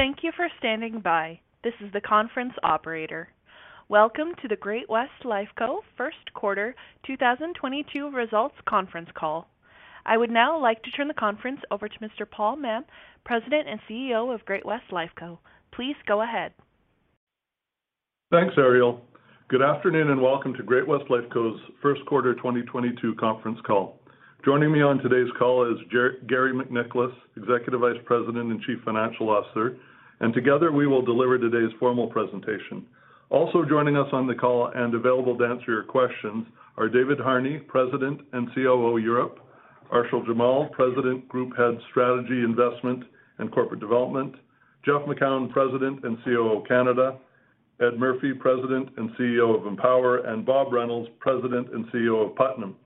Thank you for standing by. This is the conference operator. Welcome to the Great-West Lifeco first quarter 2022 results conference call. I would now like to turn the conference over to Mr. Paul Mahon, President and CEO of Great-West Lifeco. Please go ahead. Thanks, Ariel. Good afternoon, and welcome to Great-West Lifeco's first quarter 2022 conference call. Joining me on today's call is Garry MacNicholas, Executive Vice President and Chief Financial Officer, and together, we will deliver today's formal presentation. Also joining us on the call and available to answer your questions are David Harney, President and COO, Europe; Arshil Jamal, President, Group Head, Strategy, Investment, and Corporate Development; Jeff Macoun, President and COO, Canada; Ed Murphy, President and CEO of Empower; and Bob Reynolds, President and CEO of Putnam.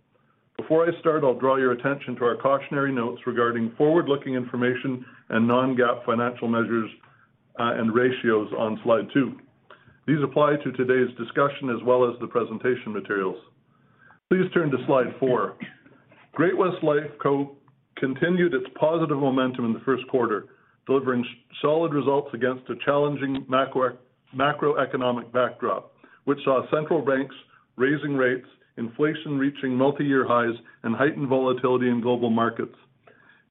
Before I start, I'll draw your attention to our cautionary notes regarding forward-looking information and non-GAAP financial measures and ratios on slide two. These apply to today's discussion as well as the presentation materials. Please turn to slide four. Great-West Lifeco continued its positive momentum in the first quarter, delivering solid results against a challenging macroeconomic backdrop, which saw central banks raising rates, inflation reaching multi-year highs, and heightened volatility in global markets.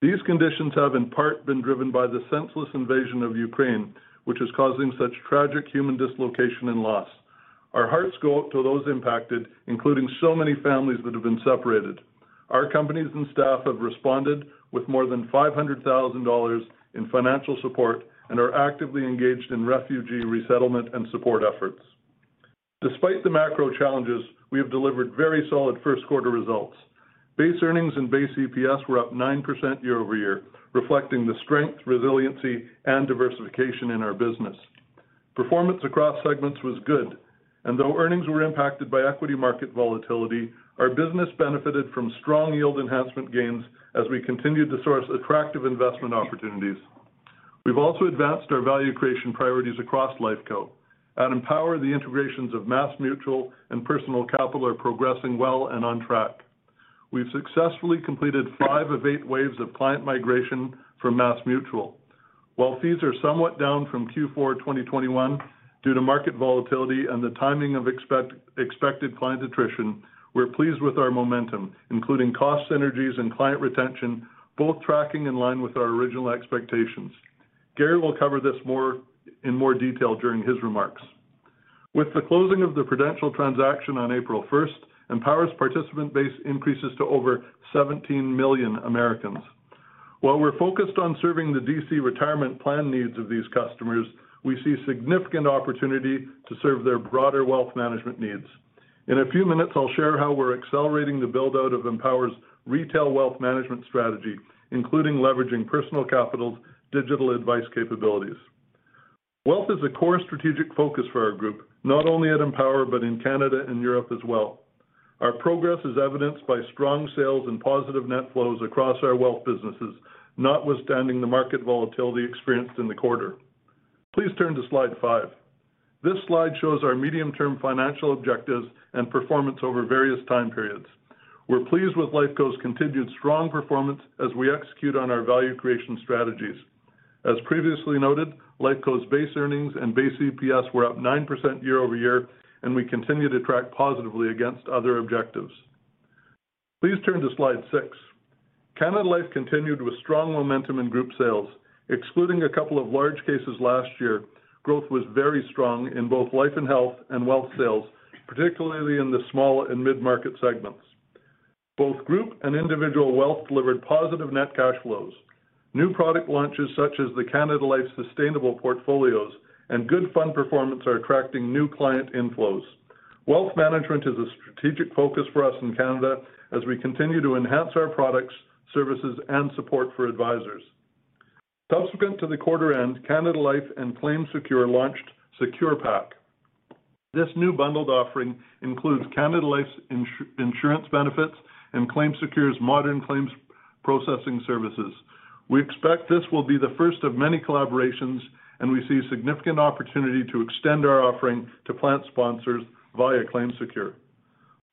These conditions have in part been driven by the senseless invasion of Ukraine, which is causing such tragic human dislocation and loss. Our hearts go out to those impacted, including so many families that have been separated. Our companies and staff have responded with more than 500,000 dollars in financial support and are actively engaged in refugee resettlement and support efforts. Despite the macro challenges, we have delivered very solid first quarter results. Base earnings and base EPS were up 9% year-over-year, reflecting the strength, resiliency, and diversification in our business. Performance across segments was good, though earnings were impacted by equity market volatility, our business benefited from strong yield enhancement gains as we continued to source attractive investment opportunities. We've also advanced our value creation priorities across Lifeco. At Empower, the integrations of MassMutual and Personal Capital are progressing well and on track. We've successfully completed five of eight waves of client migration from MassMutual. While fees are somewhat down from Q4 2021 due to market volatility and the timing of expected client attrition, we're pleased with our momentum, including cost synergies and client retention, both tracking in line with our original expectations. Garry will cover this more in more detail during his remarks. With the closing of the Prudential transaction on April 1st, Empower's participant base increases to over 17 million Americans. While we're focused on serving the DC retirement plan needs of these customers, we see significant opportunity to serve their broader wealth management needs. In a few minutes, I'll share how we're accelerating the build-out of Empower's retail wealth management strategy, including leveraging Personal Capital's digital advice capabilities. Wealth is a core strategic focus for our group, not only at Empower, but in Canada and Europe as well. Our progress is evidenced by strong sales and positive net flows across our wealth businesses, notwithstanding the market volatility experienced in the quarter. Please turn to slide five. This slide shows our medium-term financial objectives and performance over various time periods. We're pleased with Lifeco's continued strong performance as we execute on our value creation strategies. As previously noted, Lifeco's base earnings and base EPS were up 9% year-over-year, and we continue to track positively against other objectives. Please turn to slide six. Canada Life continued with strong momentum in group sales. Excluding a couple of large cases last year, growth was very strong in both life and health and wealth sales, particularly in the small and mid-market segments. Both group and individual wealth delivered positive net cash flows. New product launches such as the Canada Life Sustainable Portfolios and good fund performance are attracting new client inflows. Wealth management is a strategic focus for us in Canada as we continue to enhance our products, services, and support for advisors. Subsequent to the quarter end, Canada Life and ClaimSecure launched SecurePak. This new bundled offering includes Canada Life's insurance benefits and ClaimSecure's modern claims processing services. We expect this will be the first of many collaborations, and we see significant opportunity to extend our offering to plan sponsors via ClaimSecure.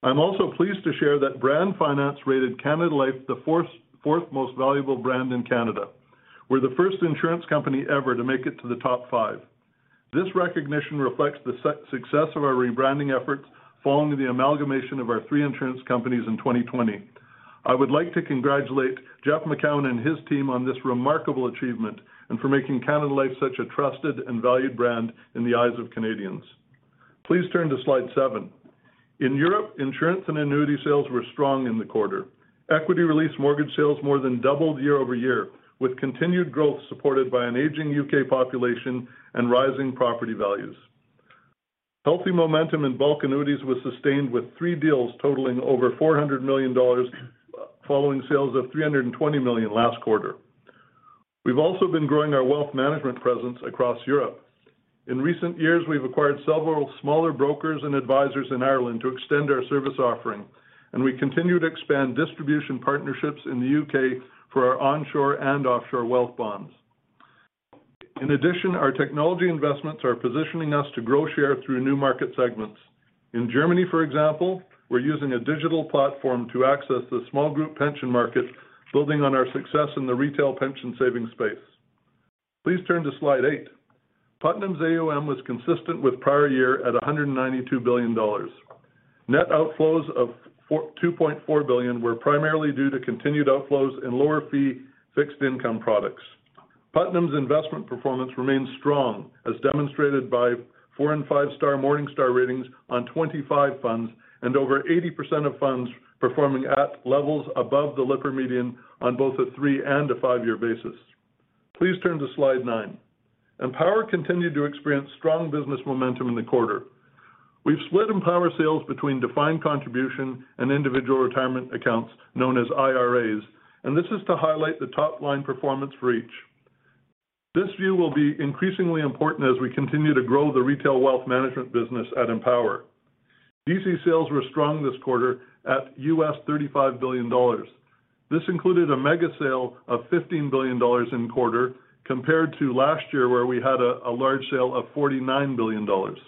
I'm also pleased to share that Brand Finance rated Canada Life the fourth most valuable brand in Canada. We're the first insurance company ever to make it to the top five. This recognition reflects the success of our rebranding efforts following the amalgamation of our three insurance companies in 2020. I would like to congratulate Jeff Macoun and his team on this remarkable achievement and for making Canada Life such a trusted and valued brand in the eyes of Canadians. Please turn to slide seven. In Europe, insurance and annuity sales were strong in the quarter. Equity release mortgage sales more than doubled year-over-year, with continued growth supported by an aging U.K. population and rising property values. Healthy momentum in bulk annuities was sustained with three deals totaling over 400 million dollars following sales of 320 million last quarter. We've also been growing our wealth management presence across Europe. In recent years, we've acquired several smaller brokers and advisors in Ireland to extend our service offering, and we continue to expand distribution partnerships in the U.K. for our onshore and offshore wealth bonds. In addition, our technology investments are positioning us to grow share through new market segments. In Germany, for example, we're using a digital platform to access the small group pension market, building on our success in the retail pension savings space. Please turn to slide eight. Putnam's AUM was consistent with prior year at 192 billion dollars. Net outflows of 2.4 billion were primarily due to continued outflows and lower fee fixed income products. Putnam's investment performance remains strong, as demonstrated by four- and five-star Morningstar ratings on 25 funds and over 80% of funds performing at levels above the Lipper median on both a three- and five-year basis. Please turn to slide nine. Empower continued to experience strong business momentum in the quarter. We've split Empower sales between defined contribution and individual retirement accounts, known as IRAs, and this is to highlight the top-line performance for each. This view will be increasingly important as we continue to grow the retail wealth management business at Empower. DC sales were strong this quarter at $35 billion. This included a mega sale of 15 billion dollars in quarter compared to last year where we had a large sale of 49 billion dollars.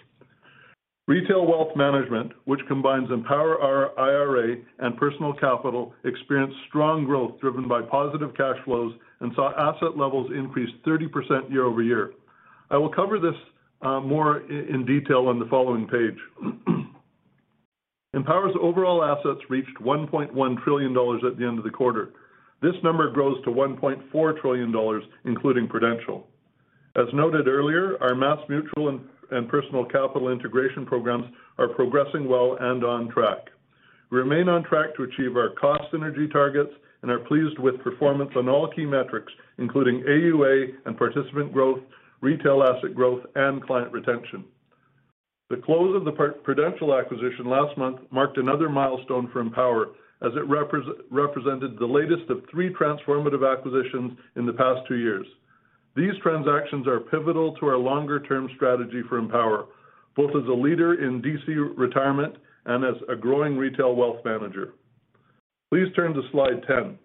Retail wealth management, which combines Empower IRA and Personal Capital, experienced strong growth driven by positive cash flows and saw asset levels increase 30% year-over-year. I will cover this more in detail on the following page. Empower's overall assets reached 1.1 trillion dollars at the end of the quarter. This number grows to 1.4 trillion dollars, including Prudential. As noted earlier, our MassMutual and personal capital integration programs are progressing well and on track. We remain on track to achieve our cost synergy targets and are pleased with performance on all key metrics, including AUA and participant growth, retail asset growth, and client retention. The close of the Prudential acquisition last month marked another milestone for Empower as it represented the latest of three transformative acquisitions in the past two years. These transactions are pivotal to our longer-term strategy for Empower, both as a leader in DC retirement and as a growing retail wealth manager. Please turn to slide 10.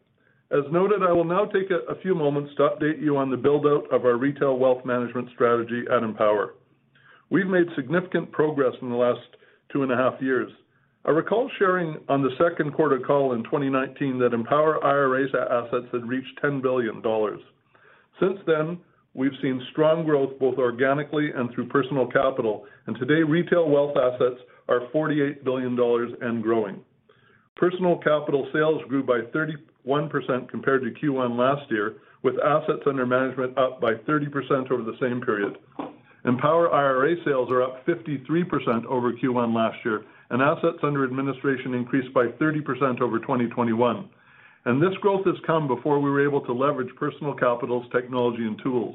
As noted, I will now take a few moments to update you on the build-out of our retail wealth management strategy at Empower. We've made significant progress in the last two and a half years. I recall sharing on the second quarter call in 2019 that Empower IRA assets had reached 10 billion dollars. Since then, we've seen strong growth, both organically and through Personal Capital. Today, retail wealth assets are 48 billion dollars and growing. Personal Capital sales grew by 31% compared to Q1 last year, with assets under management up by 30% over the same period. Empower IRA sales are up 53% over Q1 last year, and assets under administration increased by 30% over 2021. This growth has come before we were able to leverage Personal Capital's technology and tools.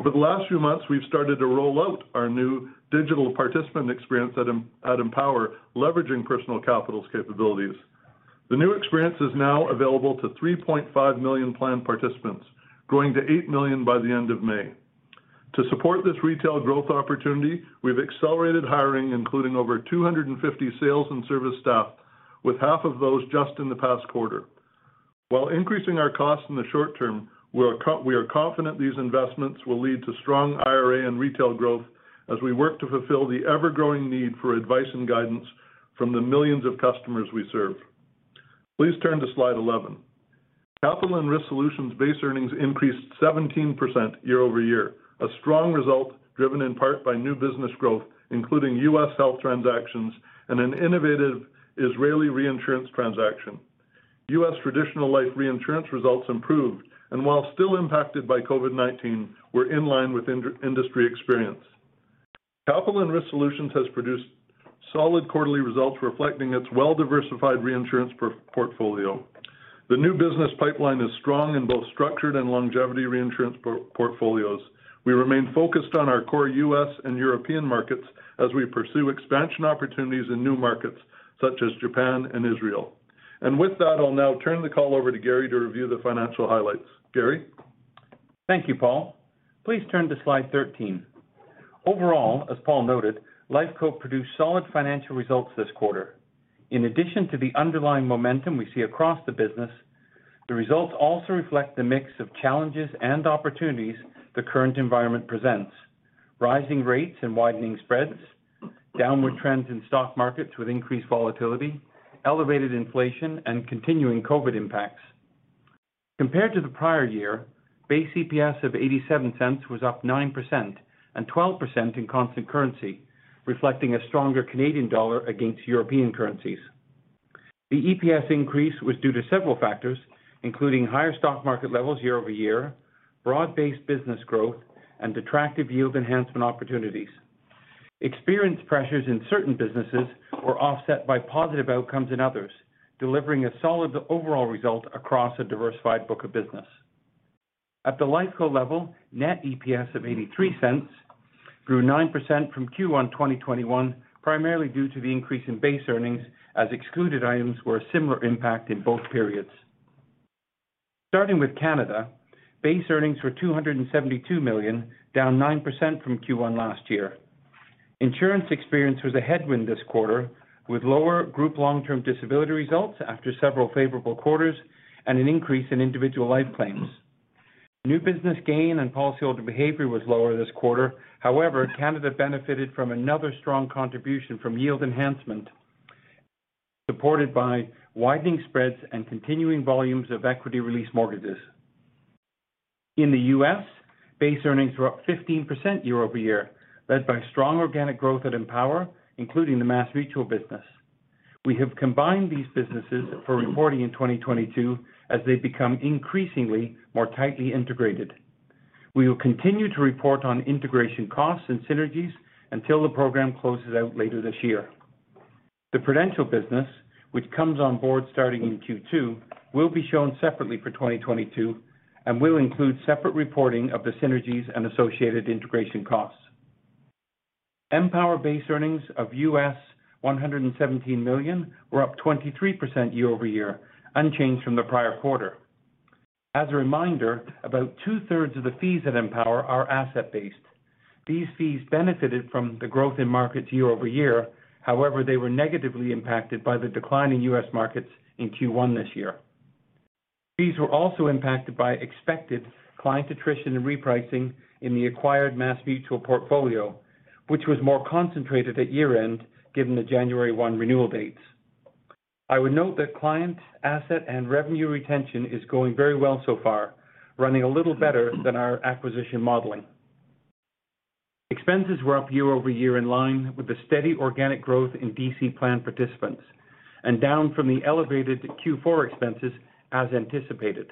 Over the last few months, we've started to roll out our new digital participant experience at Empower, leveraging Personal Capital's capabilities. The new experience is now available to 3.5 million plan participants, growing to 8 million by the end of May. To support this retail growth opportunity, we've accelerated hiring, including over 250 sales and service staff, with half of those just in the past quarter. While increasing our costs in the short term, we are confident these investments will lead to strong IRA and retail growth as we work to fulfill the ever-growing need for advice and guidance from the millions of customers we serve. Please turn to slide 11. Capital and Risk Solutions base earnings increased 17% year-over-year, a strong result driven in part by new business growth, including U.S. health transactions and an innovative Israeli reinsurance transaction. U.S. traditional life reinsurance results improved, and while still impacted by COVID-19, were in line with industry experience. Capital and Risk Solutions has produced solid quarterly results reflecting its well-diversified reinsurance portfolio. The new business pipeline is strong in both structured and longevity reinsurance portfolios. We remain focused on our core U.S. and European markets as we pursue expansion opportunities in new markets such as Japan and Israel. With that, I'll now turn the call over to Garry to review the financial highlights. Garry? Thank you, Paul. Please turn to slide 13. Overall, as Paul noted, Lifeco produced solid financial results this quarter. In addition to the underlying momentum we see across the business, the results also reflect the mix of challenges and opportunities the current environment presents, rising rates and widening spreads, downward trends in stock markets with increased volatility, elevated inflation, and continuing COVID impacts. Compared to the prior year, base EPS of 0.87 was up 9% and 12% in constant currency, reflecting a stronger Canadian dollar against European currencies. The EPS increase was due to several factors, including higher stock market levels year-over-year, broad-based business growth, and attractive yield enhancement opportunities. Experience pressures in certain businesses were offset by positive outcomes in others, delivering a solid overall result across a diversified book of business. At the Lifeco level, net EPS of 0.83 grew 9% from Q1 2021, primarily due to the increase in base earnings as excluded items were a similar impact in both periods. Starting with Canada, base earnings were 272 million, down 9% from Q1 last year. Insurance experience was a headwind this quarter, with lower group long-term disability results after several favorable quarters and an increase in individual life claims. New business gain and policyholder behavior was lower this quarter. However, Canada benefited from another strong contribution from yield enhancement, supported by widening spreads and continuing volumes of equity release mortgages. In the U.S., base earnings were up 15% year-over-year, led by strong organic growth at Empower, including the MassMutual business. We have combined these businesses for reporting in 2022 as they become increasingly more tightly integrated. We will continue to report on integration costs and synergies until the program closes out later this year. The Prudential business, which comes on board starting in Q2, will be shown separately for 2022 and will include separate reporting of the synergies and associated integration costs. Empower base earnings of $117 million were up 23% year-over-year, unchanged from the prior quarter. As a reminder, about 2/3 of the fees at Empower are asset-based. These fees benefited from the growth in markets year-over-year. However, they were negatively impacted by the decline in U.S. markets in Q1 this year. Fees were also impacted by expected client attrition and repricing in the acquired MassMutual portfolio, which was more concentrated at year-end given the January 1 renewal dates. I would note that client asset and revenue retention is going very well so far, running a little better than our acquisition modeling. Expenses were up year-over-year in line with the steady organic growth in DC plan participants and down from the elevated Q4 expenses as anticipated.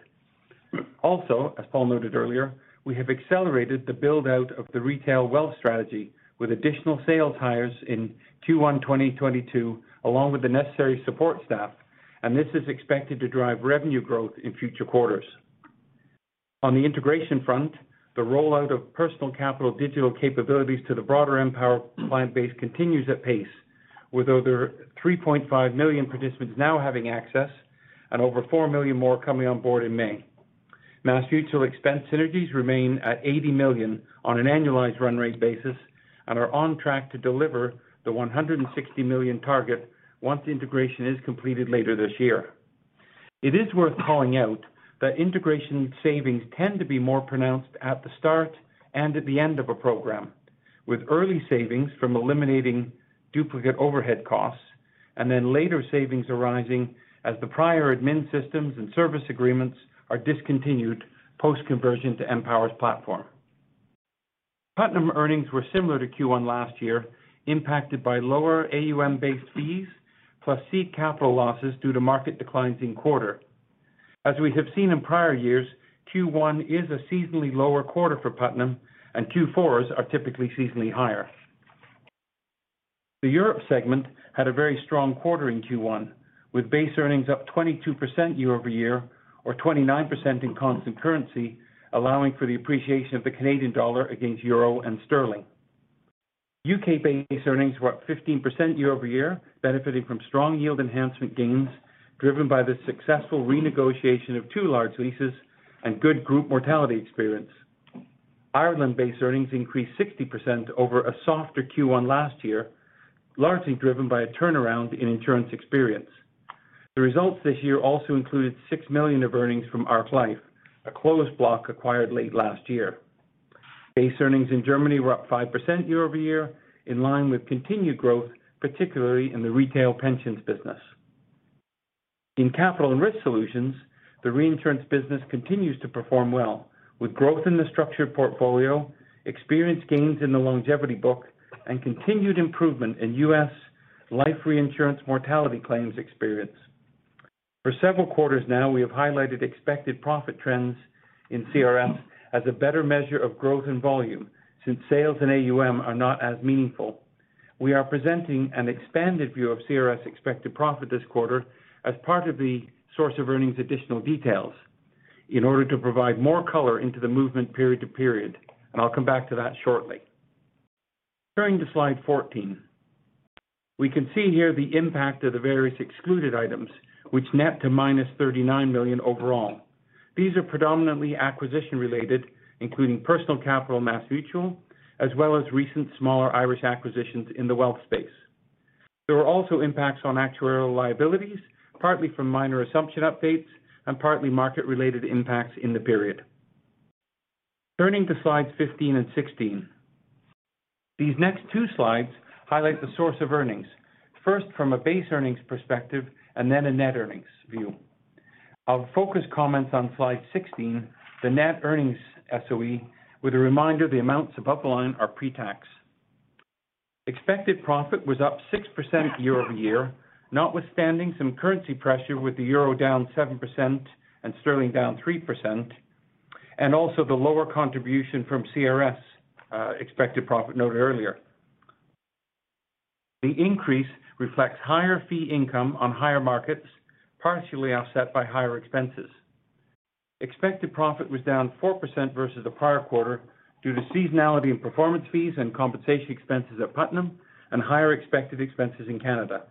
Also, as Paul noted earlier, we have accelerated the build out of the retail wealth strategy with additional sales hires in Q1 2022 along with the necessary support staff, and this is expected to drive revenue growth in future quarters. On the integration front, the rollout of Personal Capital digital capabilities to the broader Empower client base continues at pace, with over 3.5 million participants now having access and over 4 million more coming on board in May. MassMutual expense synergies remain at 80 million on an annualized run rate basis and are on track to deliver the 160 million target once the integration is completed later this year. It is worth calling out that integration savings tend to be more pronounced at the start and at the end of a program, with early savings from eliminating duplicate overhead costs and then later savings arising as the prior admin systems and service agreements are discontinued post-conversion to Empower's platform. Putnam earnings were similar to Q1 last year, impacted by lower AUM based fees plus seed capital losses due to market declines in quarter. As we have seen in prior years, Q1 is a seasonally lower quarter for Putnam and Q4s are typically seasonally higher. The Europe segment had a very strong quarter in Q1, with base earnings up 22% year-over-year or 29% in constant currency, allowing for the appreciation of the Canadian dollar against euro and sterling. U.K. base earnings were up 15% year-over-year, benefiting from strong yield enhancement gains driven by the successful renegotiation of two large leases and good group mortality experience. Ireland base earnings increased 60% over a softer Q1 last year, largely driven by a turnaround in insurance experience. The results this year also included 6 million of earnings from Ark Life, a closed block acquired late last year. Base earnings in Germany were up 5% year-over-year, in line with continued growth, particularly in the retail pensions business. In Capital and Risk Solutions, the reinsurance business continues to perform well with growth in the structured portfolio, experience gains in the longevity book, and continued improvement in U.S. life reinsurance mortality claims experience. For several quarters now, we have highlighted expected profit trends in CRS as a better measure of growth and volume since sales and AUM are not as meaningful. We are presenting an expanded view of CRS expected profit this quarter as part of the source of earnings additional details in order to provide more color into the movement period to period, and I'll come back to that shortly. Turning to slide 14. We can see here the impact of the various excluded items which net to -39 million overall. These are predominantly acquisition related, including Personal Capital, MassMutual, as well as recent smaller Irish acquisitions in the wealth space. There are also impacts on actuarial liabilities, partly from minor assumption updates and partly market related impacts in the period. Turning to slides 15 and 16. These next two slides highlight the source of earnings, first from a base earnings perspective and then a net earnings view. I'll focus comments on slide 16, the net earnings SOE, with a reminder, the amounts above the line are pre-tax. Expected profit was up 6% year-over-year, notwithstanding some currency pressure with the euro down 7% and sterling down 3%, and also the lower contribution from CRS, expected profit noted earlier. The increase reflects higher fee income on higher markets, partially offset by higher expenses. Expected profit was down 4% versus the prior quarter due to seasonality in performance fees and compensation expenses at Putnam and higher expected expenses in Canada.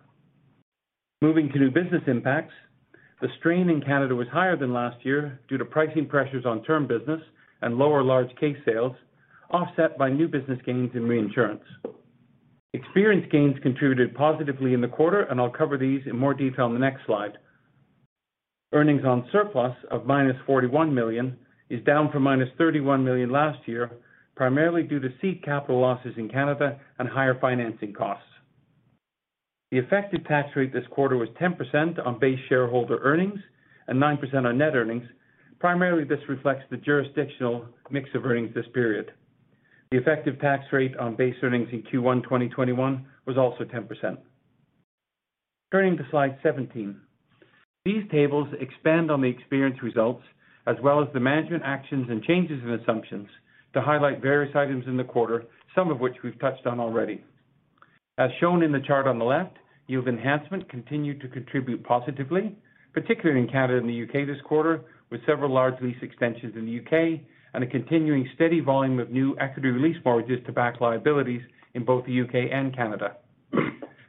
Moving to new business impacts, the strain in Canada was higher than last year due to pricing pressures on term business and lower large case sales, offset by new business gains in reinsurance. Experience gains contributed positively in the quarter, and I'll cover these in more detail in the next slide. Earnings on surplus of -41 million is down from -31 million last year, primarily due to seed capital losses in Canada and higher financing costs. The effective tax rate this quarter was 10% on base shareholder earnings and 9% on net earnings. Primarily, this reflects the jurisdictional mix of earnings this period. The effective tax rate on base earnings in Q1 2021 was also 10%. Turning to slide 17. These tables expand on the experience results as well as the management actions and changes in assumptions to highlight various items in the quarter, some of which we've touched on already. As shown in the chart on the left, yield enhancement continued to contribute positively, particularly in Canada and the U.K. this quarter, with several large lease extensions in the U.K. and a continuing steady volume of new equity release mortgages to back liabilities in both the U.K. and Canada.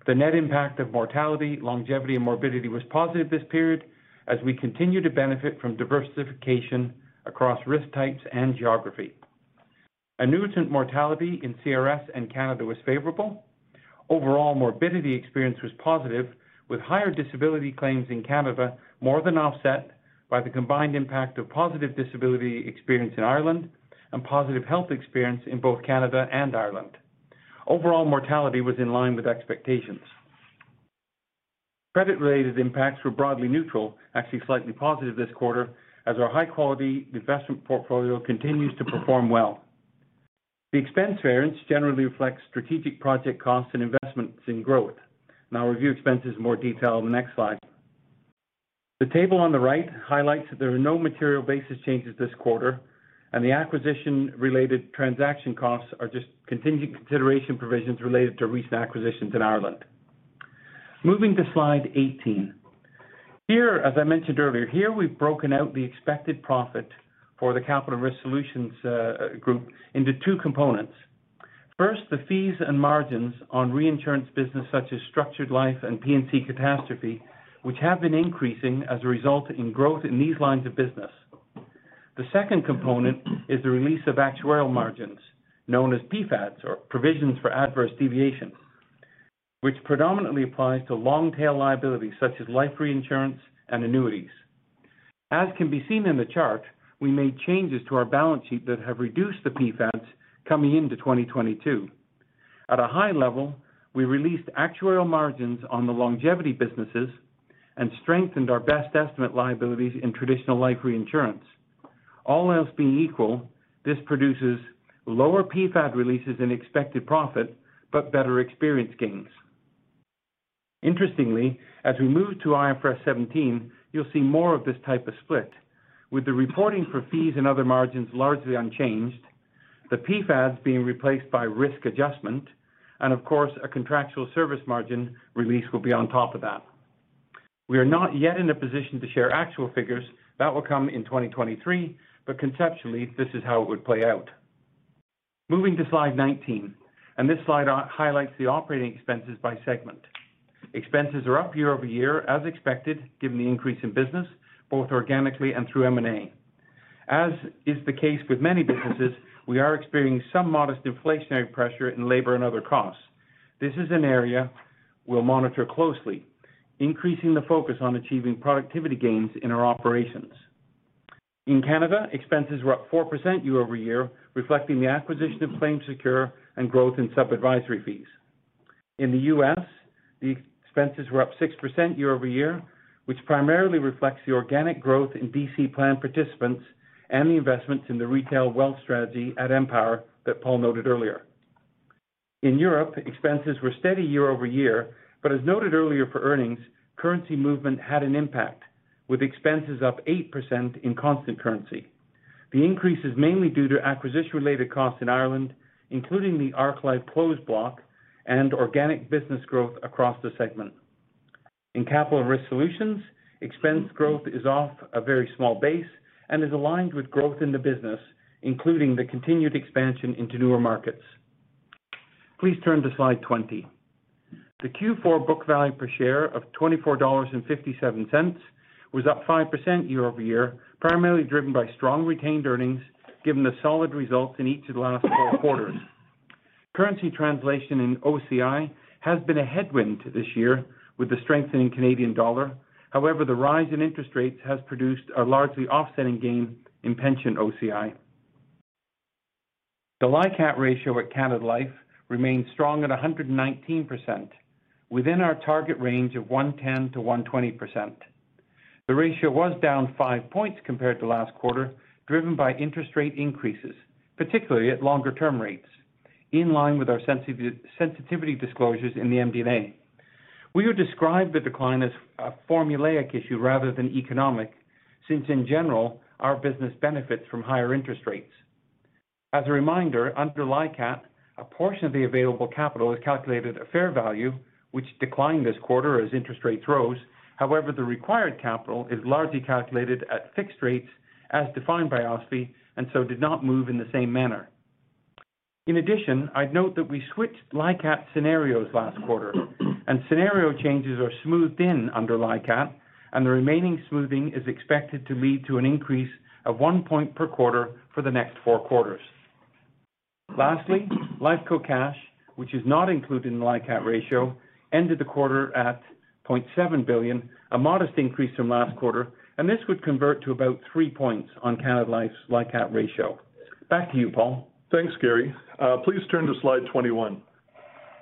The net impact of mortality, longevity, and morbidity was positive this period as we continue to benefit from diversification across risk types and geography. Annuitant mortality in CRS and Canada was favorable. Overall morbidity experience was positive, with higher disability claims in Canada more than offset by the combined impact of positive disability experience in Ireland and positive health experience in both Canada and Ireland. Overall mortality was in line with expectations. Credit-related impacts were broadly neutral, actually slightly positive this quarter, as our high-quality investment portfolio continues to perform well. The expense variance generally reflects strategic project costs and investments in growth. I'll review expenses in more detail in the next slide. The table on the right highlights that there are no material basis changes this quarter, and the acquisition-related transaction costs are just contingent consideration provisions related to recent acquisitions in Ireland. Moving to slide 18. Here, as I mentioned earlier, here we've broken out the expected profit for the Capital and Risk Solutions Group into two components. First, the fees and margins on reinsurance business, such as structured life and P&C catastrophe, which have been increasing as a result in growth in these lines of business. The second component is the release of actuarial margins known as PfADs or Provisions for Adverse Deviations, which predominantly applies to long-tail liabilities such as life reinsurance and annuities. As can be seen in the chart, we made changes to our balance sheet that have reduced the PfADs coming into 2022. At a high level, we released actuarial margins on the longevity businesses and strengthened our best estimate liabilities in traditional life reinsurance. All else being equal, this produces lower PfAD releases and expected profit, but better experience gains. Interestingly, as we move to IFRS 17, you'll see more of this type of split. With the reporting for fees and other margins largely unchanged, the PfADs being replaced by risk adjustment, and of course, a contractual service margin release will be on top of that. We are not yet in a position to share actual figures. That will come in 2023, but conceptually, this is how it would play out. Moving to slide 19, and this slide highlights the operating expenses by segment. Expenses are up year-over-year as expected, given the increase in business, both organically and through M&A. As is the case with many businesses, we are experiencing some modest inflationary pressure in labor and other costs. This is an area we'll monitor closely, increasing the focus on achieving productivity gains in our operations. In Canada, expenses were up 4% year-over-year, reflecting the acquisition of ClaimSecure and growth in sub-advisory fees. In the U.S., the expenses were up 6% year-over-year, which primarily reflects the organic growth in DC plan participants and the investments in the retail wealth strategy at Empower that Paul noted earlier. In Europe, expenses were steady year-over-year, but as noted earlier for earnings, currency movement had an impact, with expenses up 8% in constant currency. The increase is mainly due to acquisition-related costs in Ireland, including the Ark Life closed block and organic business growth across the segment. In Capital and Risk Solutions, expense growth is off a very small base and is aligned with growth in the business, including the continued expansion into newer markets. Please turn to slide 20. The Q4 book value per share of 24.57 dollars was up 5% year-over-year, primarily driven by strong retained earnings, given the solid results in each of the last four quarters. Currency translation in OCI has been a headwind this year with the strengthening Canadian dollar. However, the rise in interest rates has produced a largely offsetting gain in pension OCI. The LICAT ratio at Canada Life remains strong at 119% within our target range of 110%-120%. The ratio was down 5 points compared to last quarter, driven by interest rate increases, particularly at longer-term rates, in line with our sensitivity disclosures in the MD&A. We would describe the decline as a formulaic issue rather than economic, since in general, our business benefits from higher interest rates. As a reminder, under LICAT, a portion of the available capital is calculated at fair value, which declined this quarter as interest rates rose. However, the required capital is largely calculated at fixed rates as defined by OSFI, and so did not move in the same manner. In addition, I'd note that we switched LICAT scenarios last quarter, and scenario changes are smoothed in under LICAT, and the remaining smoothing is expected to lead to an increase of 1 point per quarter for the next four quarters. Lastly, Lifeco cash, which is not included in the LICAT ratio, ended the quarter at 0.7 billion, a modest increase from last quarter, and this would convert to about 3 points on Canada Life's LICAT ratio. Back to you, Paul. Thanks, Garry. Please turn to slide 21.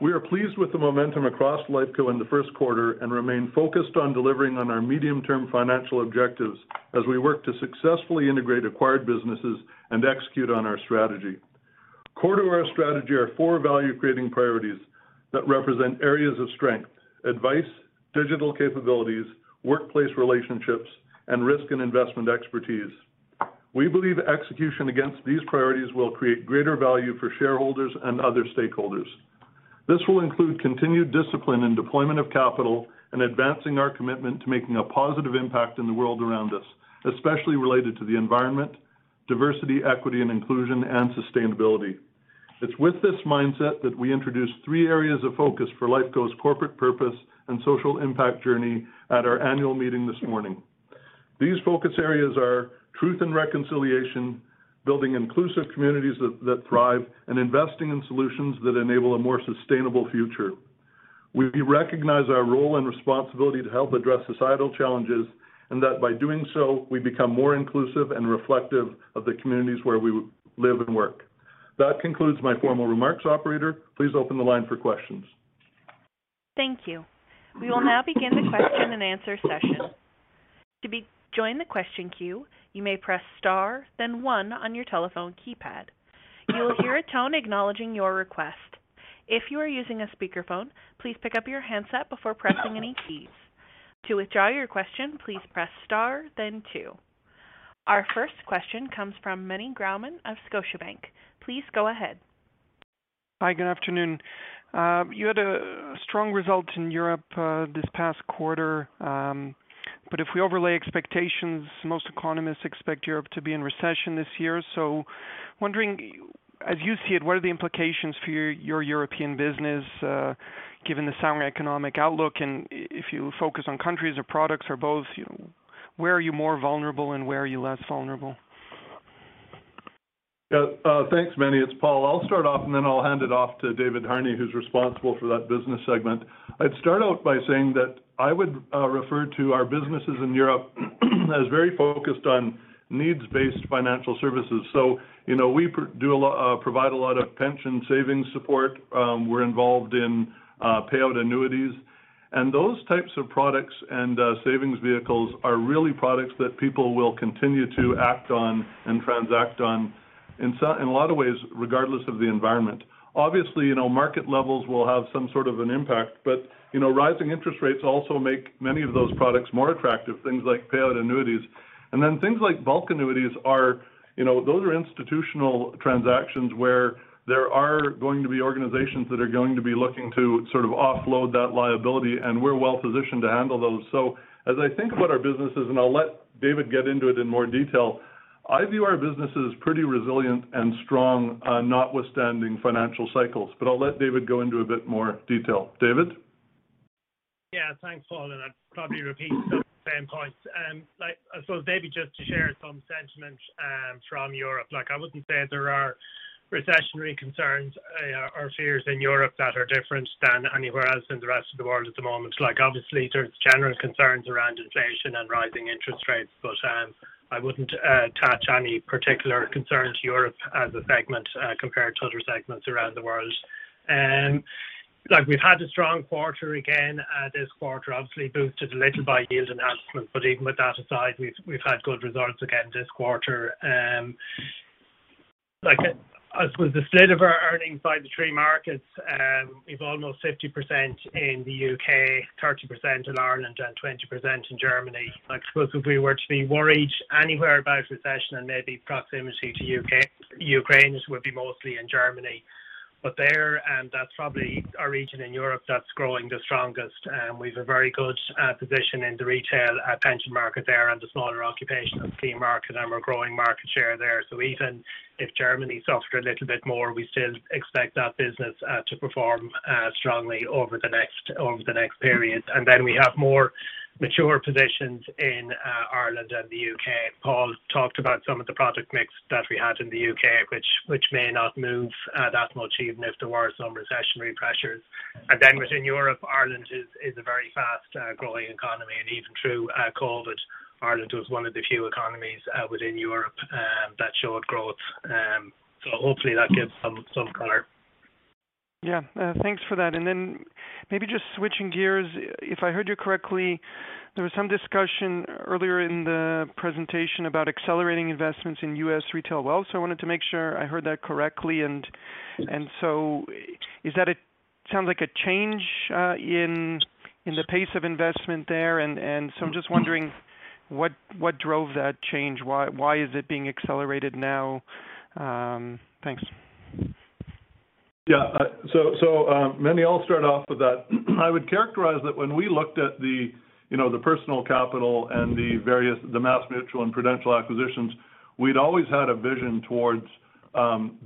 We are pleased with the momentum across Lifeco in the first quarter and remain focused on delivering on our medium-term financial objectives as we work to successfully integrate acquired businesses and execute on our strategy. Core to our strategy are four value creating priorities that represent areas of strength. Advice, digital capabilities, workplace relationships, and risk and investment expertise. We believe execution against these priorities will create greater value for shareholders and other stakeholders. This will include continued discipline in deployment of capital and advancing our commitment to making a positive impact in the world around us, especially related to the environment, diversity, equity and inclusion, and sustainability. It's with this mindset that we introduced three areas of focus for Lifeco's corporate purpose and social impact journey at our annual meeting this morning. These focus areas are truth and reconciliation, building inclusive communities that thrive, and investing in solutions that enable a more sustainable future. We recognize our role and responsibility to help address societal challenges, and that by doing so, we become more inclusive and reflective of the communities where we live and work. That concludes my formal remarks, operator. Please open the line for questions. Thank you. We will now begin the question and answer session. To join the question queue, you may press star then one on your telephone keypad. You will hear a tone acknowledging your request. If you are using a speakerphone, please pick up your handset before pressing any keys. To withdraw your question, please press star then two. Our first question comes from Meny Grauman of Scotiabank. Please go ahead. Hi, good afternoon. You had a strong result in Europe, this past quarter. If we overlay expectations, most economists expect Europe to be in recession this year. Wondering, as you see it, what are the implications for your European business, given the sound economic outlook? If you focus on countries or products or both, where are you more vulnerable and where are you less vulnerable? Yeah. Thanks, Meny. It's Paul. I'll start off and then I'll hand it off to David Harney, who's responsible for that business segment. I'd start out by saying that I would refer to our businesses in Europe as very focused on needs-based financial services. You know, we provide a lot of pension savings support. We're involved in payout annuities. Those types of products and savings vehicles are really products that people will continue to act on and transact on in a lot of ways, regardless of the environment. Obviously, you know, market levels will have some sort of an impact, but you know, rising interest rates also make many of those products more attractive, things like payout annuities. Then things like bulk annuities are, you know, those are institutional transactions where there are going to be organizations that are going to be looking to sort of offload that liability, and we're well positioned to handle those. As I think about our businesses, and I'll let David get into it in more detail, I view our business as pretty resilient and strong, notwithstanding financial cycles. I'll let David go into a bit more detail. David? Yeah, thanks, Paul, and I'll probably repeat some of the same points. Like, so maybe just to share some sentiment from Europe. Like, I wouldn't say there are recessionary concerns or fears in Europe that are different than anywhere else in the rest of the world at the moment. Like, obviously, there's general concerns around inflation and rising interest rates, but I wouldn't attach any particular concern to Europe as a segment compared to other segments around the world. Like, we've had a strong quarter again this quarter, obviously boosted a little by yield enhancements. But even with that aside, we've had good results again this quarter. Like, as with the split of our earnings by the three markets, we've almost 50% in the U.K., 30% in Ireland, and 20% in Germany. Like, I suppose if we were to be worried anywhere about recession and maybe proximity to U.K.-Ukraine, it would be mostly in Germany. There, and that's probably a region in Europe that's growing the strongest. We've a very good position in the retail pension market there and the smaller occupational scheme market, and we're growing market share there. Even if Germany suffered a little bit more, we still expect that business to perform strongly over the next period. Then we have more mature positions in Ireland and the U.K. Paul talked about some of the product mix that we had in the U.K., which may not move that much even if there were some recessionary pressures. Then within Europe, Ireland is a very fast growing economy. Even through COVID, Ireland was one of the few economies within Europe that showed growth. Hopefully that gives some color. Yeah. Thanks for that. Then maybe just switching gears. If I heard you correctly, there was some discussion earlier in the presentation about accelerating investments in U.S. retail wealth. I wanted to make sure I heard that correctly. Is that sounds like a change in the pace of investment there. I'm just wondering what drove that change. Why is it being accelerated now. Thanks. Meny, I'll start off with that. I would characterize that when we looked at the Personal Capital and the various MassMutual and Prudential acquisitions, we'd always had a vision towards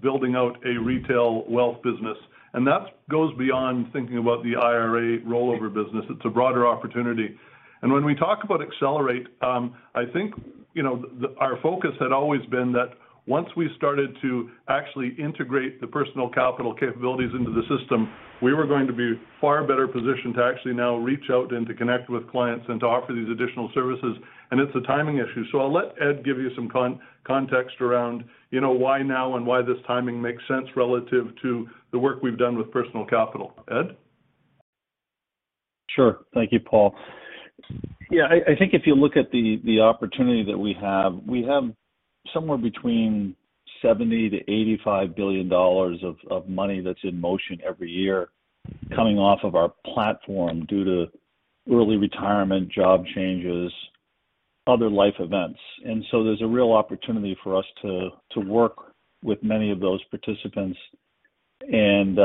building out a retail wealth business. That goes beyond thinking about the IRA rollover business. It's a broader opportunity. When we talk about accelerate, I think our focus had always been that once we started to actually integrate the Personal Capital capabilities into the system, we were going to be far better positioned to actually now reach out and to connect with clients and to offer these additional services. It's a timing issue. I'll let Ed give you some context around why now and why this timing makes sense relative to the work we've done with Personal Capital. Ed? Sure. Thank you, Paul. Yeah, I think if you look at the opportunity that we have, we have somewhere between 70 billion-85 billion dollars of money that's in motion every year coming off of our platform due to early retirement, job changes, other life events. There's a real opportunity for us to work with many of those participants and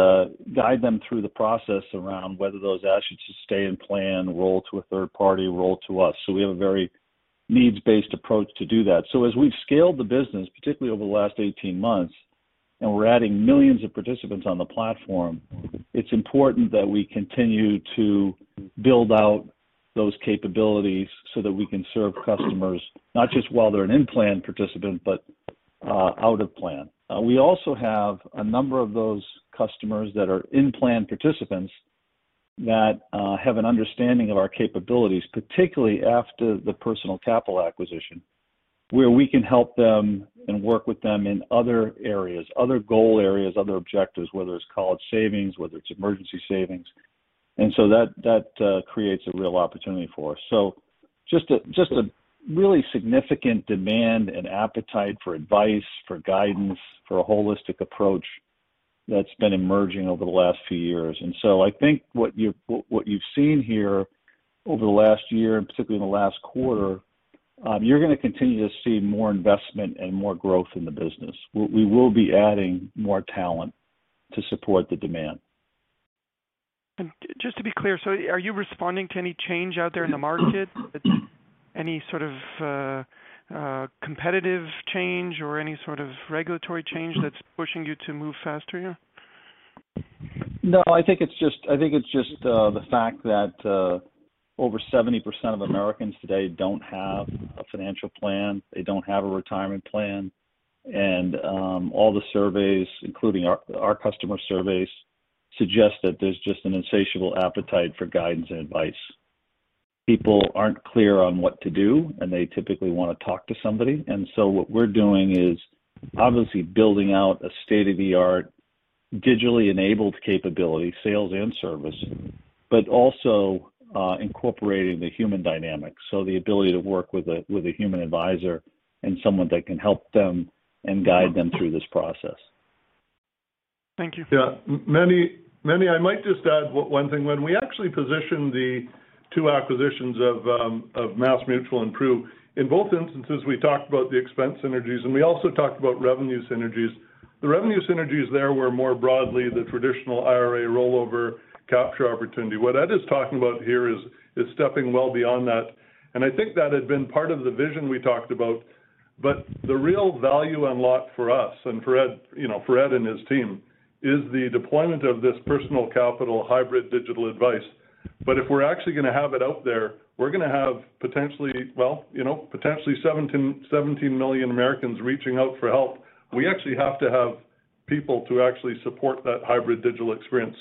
guide them through the process around whether those assets should stay in plan, roll to a third party, roll to us. We have a very needs-based approach to do that. As we've scaled the business, particularly over the last 18 months, and we're adding millions of participants on the platform, it's important that we continue to build out those capabilities so that we can serve customers, not just while they're an in-plan participant, but out-of-plan. We also have a number of those customers that are in-plan participants that have an understanding of our capabilities, particularly after the Personal Capital acquisition, where we can help them and work with them in other areas, other goal areas, other objectives, whether it's college savings, whether it's emergency savings. That creates a real opportunity for us. Just a really significant demand and appetite for advice, for guidance, for a holistic approach that's been emerging over the last few years. I think what you've seen here over the last year, and particularly in the last quarter, you're gonna continue to see more investment and more growth in the business. We will be adding more talent to support the demand. Just to be clear, so are you responding to any change out there in the market? Any sort of competitive change or any sort of regulatory change that's pushing you to move faster here? No, I think it's just the fact that over 70% of Americans today don't have a financial plan. They don't have a retirement plan. All the surveys, including our customer surveys, suggest that there's just an insatiable appetite for guidance and advice. People aren't clear on what to do, and they typically want to talk to somebody. What we're doing is obviously building out a state-of-the-art digitally enabled capability, sales and service, but also incorporating the human dynamics. The ability to work with a human advisor and someone that can help them and guide them through this process. Thank you. Yeah. Meny, I might just add one thing. When we actually positioned the two acquisitions of MassMutual and Pru, in both instances, we talked about the expense synergies, and we also talked about revenue synergies. The revenue synergies there were more broadly the traditional IRA rollover capture opportunity. What Ed is talking about here is stepping well beyond that. I think that had been part of the vision we talked about. The real value unlocked for us and for Ed, you know, for Ed and his team is the deployment of this Personal Capital hybrid digital advice. If we're actually gonna have it out there, we're gonna have potentially, you know, 17 million Americans reaching out for help. We actually have to have people to actually support that hybrid digital experience.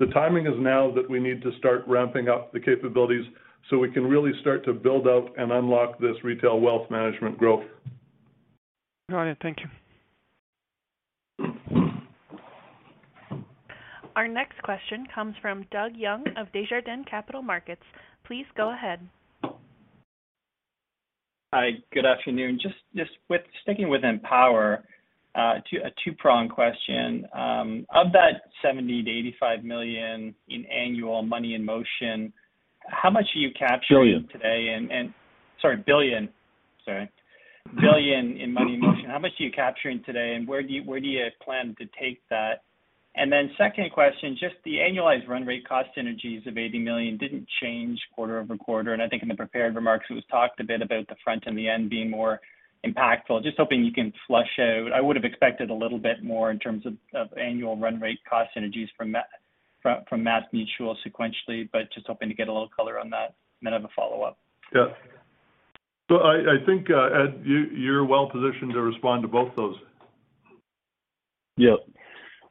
The timing is now that we need to start ramping up the capabilities so we can really start to build out and unlock this retail wealth management growth. All right. Thank you. Our next question comes from Doug Young of Desjardins Capital Markets. Please go ahead. Hi, good afternoon. Just sticking with Empower, a two-pronged question. Of that 70 million-85 million in annual money in motion, how much are you capturing today and Billion. Sorry, billion in money in motion. How much are you capturing today, and where do you plan to take that? Second question, just the annualized run rate cost synergies of 80 million didn't change quarter-over-quarter. I think in the prepared remarks, it was talked a bit about the front and the end being more impactful. Just hoping you can flesh out. I would have expected a little bit more in terms of annual run rate cost synergies from MassMutual sequentially, just hoping to get a little color on that. I have a follow-up. I think, Ed, you’re well positioned to respond to both those. Yeah.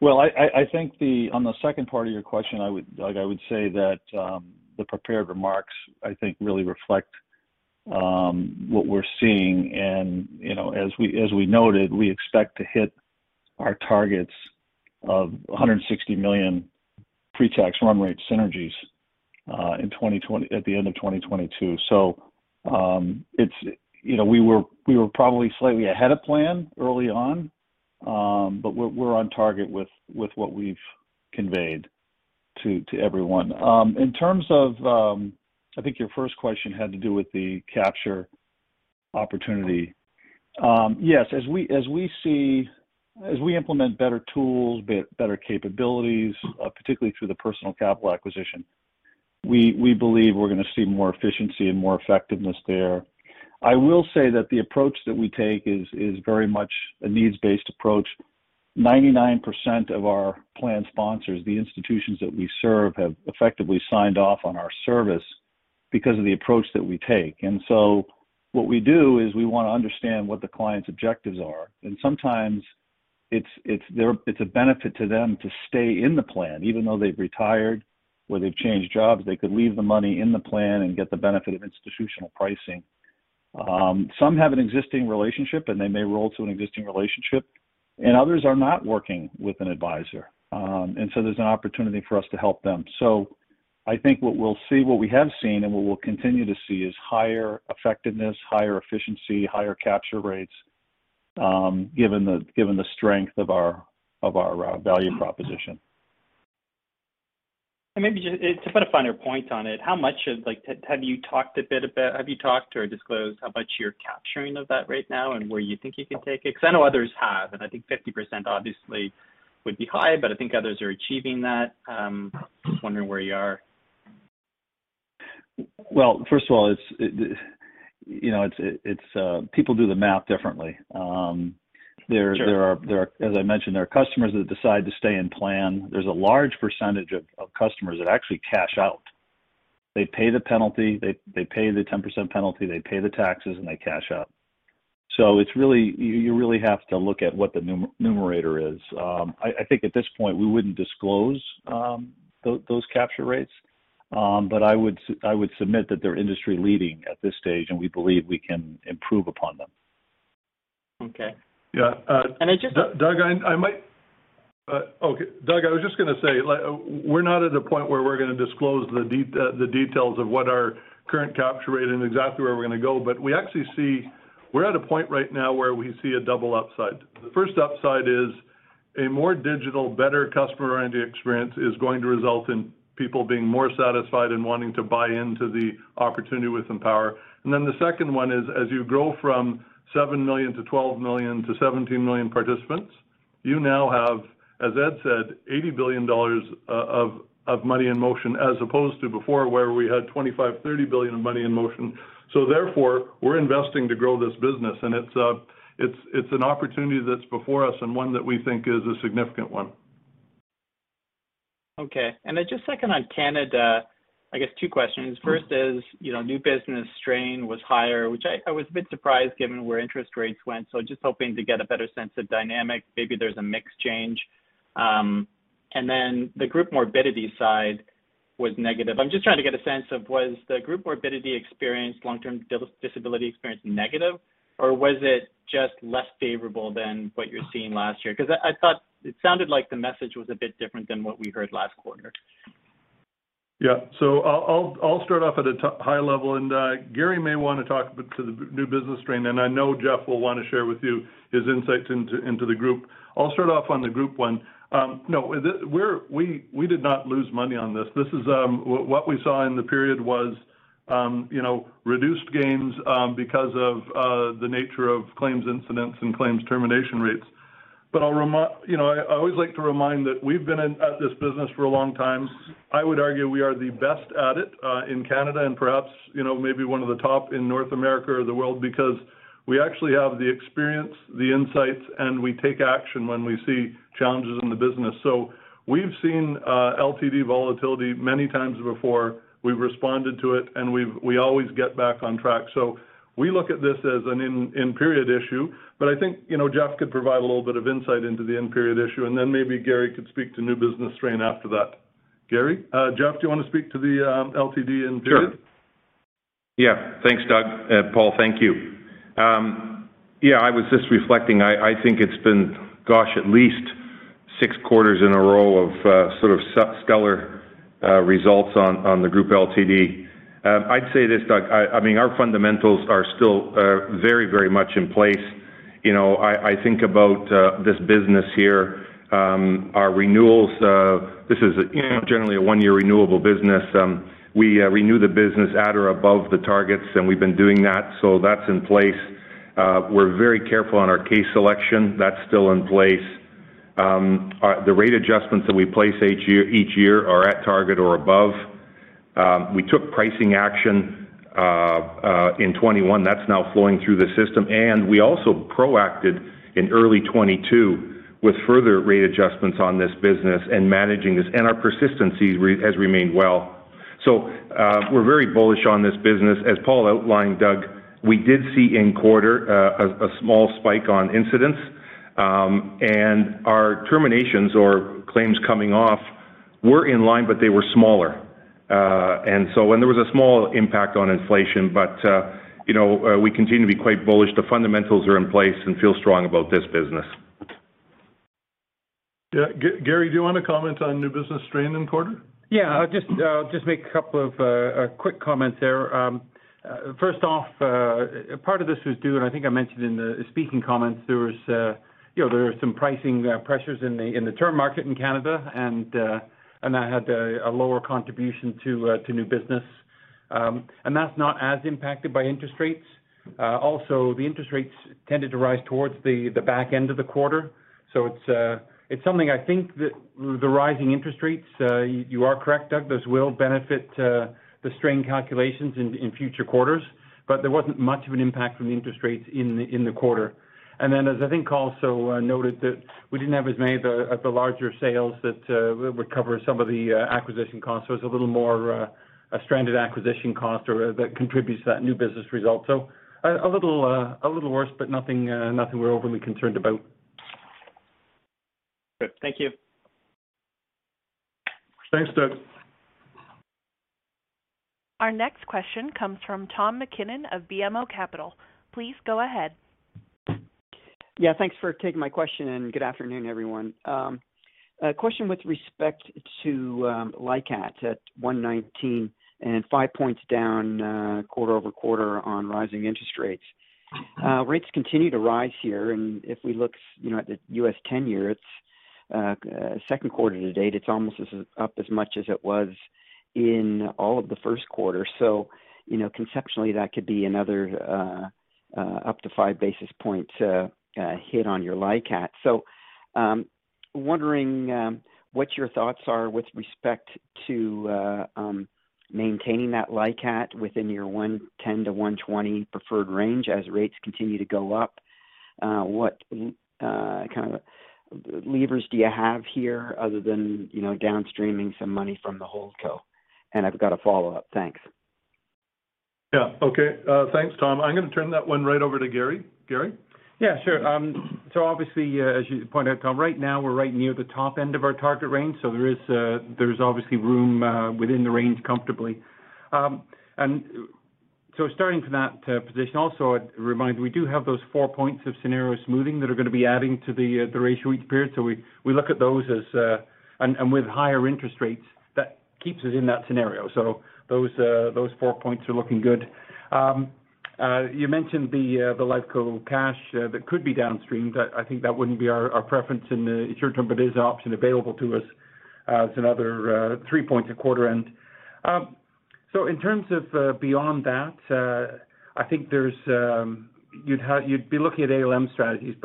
Well, I think on the second part of your question, I would say that the prepared remarks, I think, really reflect what we're seeing. You know, as we noted, we expect to hit our targets of 160 million pre-tax run rate synergies at the end of 2022. You know, we were probably slightly ahead of plan early on, but we're on target with what we've conveyed to everyone. In terms of, I think your first question had to do with the capture opportunity. Yes, as we implement better tools, better capabilities, particularly through the Personal Capital acquisition. We believe we're gonna see more efficiency and more effectiveness there. I will say that the approach that we take is very much a needs-based approach. 99% of our plan sponsors, the institutions that we serve, have effectively signed off on our service because of the approach that we take. What we do is we wanna understand what the client's objectives are. Sometimes it's a benefit to them to stay in the plan, even though they've retired or they've changed jobs, they could leave the money in the plan and get the benefit of institutional pricing. Some have an existing relationship, and they may roll to an existing relationship, and others are not working with an advisor. There's an opportunity for us to help them. I think what we'll see, what we have seen, and what we'll continue to see is higher effectiveness, higher efficiency, higher capture rates, given the strength of our value proposition. Maybe just to put a finer point on it, how much of like have you talked or disclosed how much you're capturing of that right now and where you think you can take it? 'Cause I know others have, and I think 50% obviously would be high, but I think others are achieving that. Just wondering where you are. Well, first of all, you know, it's. People do the math differently. Sure. As I mentioned, there are customers that decide to stay in plan. There's a large percentage of customers that actually cash out. They pay the penalty, they pay the 10% penalty, they pay the taxes, and they cash out. You really have to look at what the numerator is. I think at this point, we wouldn't disclose those capture rates. I would submit that they're industry-leading at this stage, and we believe we can improve upon them. Okay. Yeah. I just. Doug, I was just gonna say, like, we're not at a point where we're gonna disclose the details of what our current capture rate and exactly where we're gonna go. We actually see we're at a point right now where we see a double upside. The first upside is a more digital, better customer-oriented experience is going to result in people being more satisfied and wanting to buy into the opportunity within Empower. The second one is, as you grow from 7 million to 12 million to 17 million participants, you now have, as Ed said, 80 billion dollars of money in motion, as opposed to before, where we had 25 billion-30 billion of money in motion. Therefore, we're investing to grow this business, and it's an opportunity that's before us and one that we think is a significant one. Okay. Then just second on Canada, I guess two questions. First is, you know, new business strain was higher, which I was a bit surprised given where interest rates went. So just hoping to get a better sense of dynamic. Maybe there's a mix change. And then the group morbidity side was negative. I'm just trying to get a sense of, was the group morbidity experience, long-term disability experience negative, or was it just less favorable than what you're seeing last year? 'Cause I thought it sounded like the message was a bit different than what we heard last quarter. I'll start off at a high level, and Garry may wanna talk a bit to the new business strain, and I know Jeff will want to share with you his insights into the group. I'll start off on the group one. No, we did not lose money on this. This is. What we saw in the period was, you know, reduced gains because of the nature of claims incidents and claims termination rates. But, you know, I always like to remind that we've been in this business for a long time. I would argue we are the best at it in Canada and perhaps, you know, maybe one of the top in North America or the world because we actually have the experience, the insights, and we take action when we see challenges in the business. We've seen LTD volatility many times before. We've responded to it, and we always get back on track. We look at this as an in-period issue. I think, you know, Jeff could provide a little bit of insight into the in-period issue, and then maybe Garry could speak to new business strain after that. Garry? Jeff, do you wanna speak to the LTD in-period? Sure. Yeah. Thanks, Doug. Paul, thank you. Yeah, I was just reflecting. I think it's been, gosh, at least six quarters in a row of sort of sub-stellar results on the group LTD. I'd say this, Doug. I mean, our fundamentals are still very much in place. You know, I think about this business here, our renewals, this is, you know, generally a one-year renewable business. We renew the business at or above the targets, and we've been doing that, so that's in place. We're very careful on our case selection. That's still in place. The rate adjustments that we place each year are at target or above. We took pricing action in 2021. That's now flowing through the system. We were also proactive in early 2022 with further rate adjustments on this business and managing this. Our persistency has remained well. We're very bullish on this business. As Paul outlined, Doug, we did see in quarter a small spike in incidents, and our terminations or claims coming off were in line, but they were smaller. There was a small impact on inflation, but you know, we continue to be quite bullish. The fundamentals are in place and we feel strong about this business. Yeah. Garry, do you wanna comment on new business strain in quarter? Yeah. I'll just make a couple of quick comments there. First off, part of this was due, and I think I mentioned in the speaking comments, there was, you know, there were some pricing pressures in the term market in Canada, and that had a lower contribution to new business. That's not as impacted by interest rates. Also the interest rates tended to rise towards the back end of the quarter. It's something I think that the rising interest rates, you are correct, Doug, those will benefit the strain calculations in future quarters. There wasn't much of an impact from the interest rates in the quarter. Then as I think also noted that we didn't have as many of the larger sales that would cover some of the acquisition costs. It's a little more a stranded acquisition cost or that contributes to that new business result. A little worse, but nothing we're overly concerned about. Good. Thank you. Thanks, Doug. Our next question comes from Tom MacKinnon of BMO Capital Markets. Please go ahead. Yeah, thanks for taking my question and good afternoon, everyone. A question with respect to LICAT at 119% and 5 points down quarter-over-quarter on rising interest rates. Rates continue to rise here, and if we look, you know, at the U.S. 10-year, it's second quarter to date, almost up as much as it was in all of the first quarter. You know, conceptually, that could be another up to 5 basis points hit on your LICAT. Wondering what your thoughts are with respect to maintaining that LICAT within your 110%-120% preferred range as rates continue to go up. What kind of levers do you have here other than, you know, downstreaming some money from the holdco? I've got a follow-up. Thanks. Yeah. Okay, thanks, Tom. I'm going to turn that one right over to Garry. Garry? Yeah, sure. Obviously, as you pointed out, Tom, right now we're right near the top end of our target range. There is obviously room within the range comfortably. Starting from that position, also I'd remind we do have those 4 points of scenario smoothing that are going to be adding to the ratio each period. We look at those as, and with higher interest rates, that keeps us in that scenario. Those 4 points are looking good. You mentioned the Lifeco cash that could be downstreamed. I think that wouldn't be our preference in the short term, but it is an option available to us as another 3 points at quarter end. In terms of beyond that, I think there's you'd be looking at ALM strategies.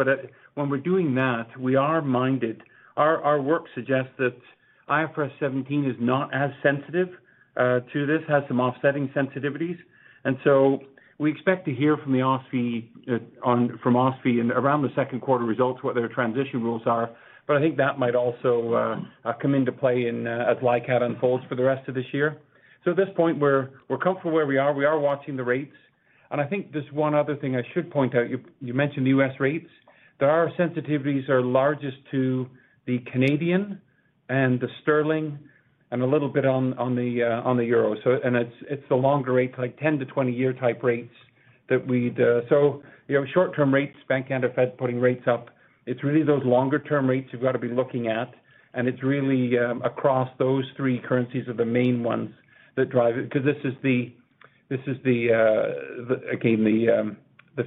When we're doing that, we are mindful. Our work suggests that IFRS 17 is not as sensitive to this, has some offsetting sensitivities. We expect to hear from the OSFI in around the second quarter results, what their transition rules are. I think that might also come into play in as LICAT unfolds for the rest of this year. At this point, we're comfortable where we are. We are watching the rates. I think there's one other thing I should point out. You mentioned the U.S. rates. Their sensitivities are largest to the Canadian and the sterling and a little bit on the euro. It's the longer rates, like 10-20-year type rates that we'd. You know, short-term rates, bank, and the Feds putting rates up. It's really those longer-term rates you've got to be looking at. It's really across those three currencies are the main ones that drive it because this is the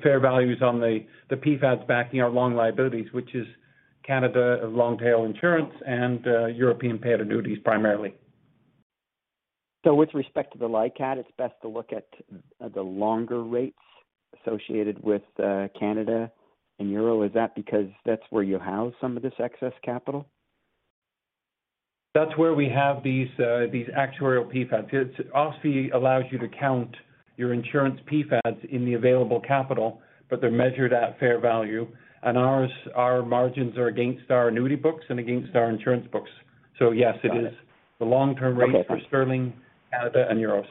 fair values on the PfADs backing our long liabilities, which is Canada long-tail insurance and European paid annuities primarily. With respect to the LICAT, it's best to look at the longer rates associated with Canada and euro. Is that because that's where you house some of this excess capital? That's where we have these actuarial PfADs. OSFI allows you to count your insurance PfADs in the available capital, but they're measured at fair value. Ours, our margins are against our annuity books and against our insurance books. Yes. Got it. It is the long-term rates. Okay. Got it. For sterling, Canada and euros.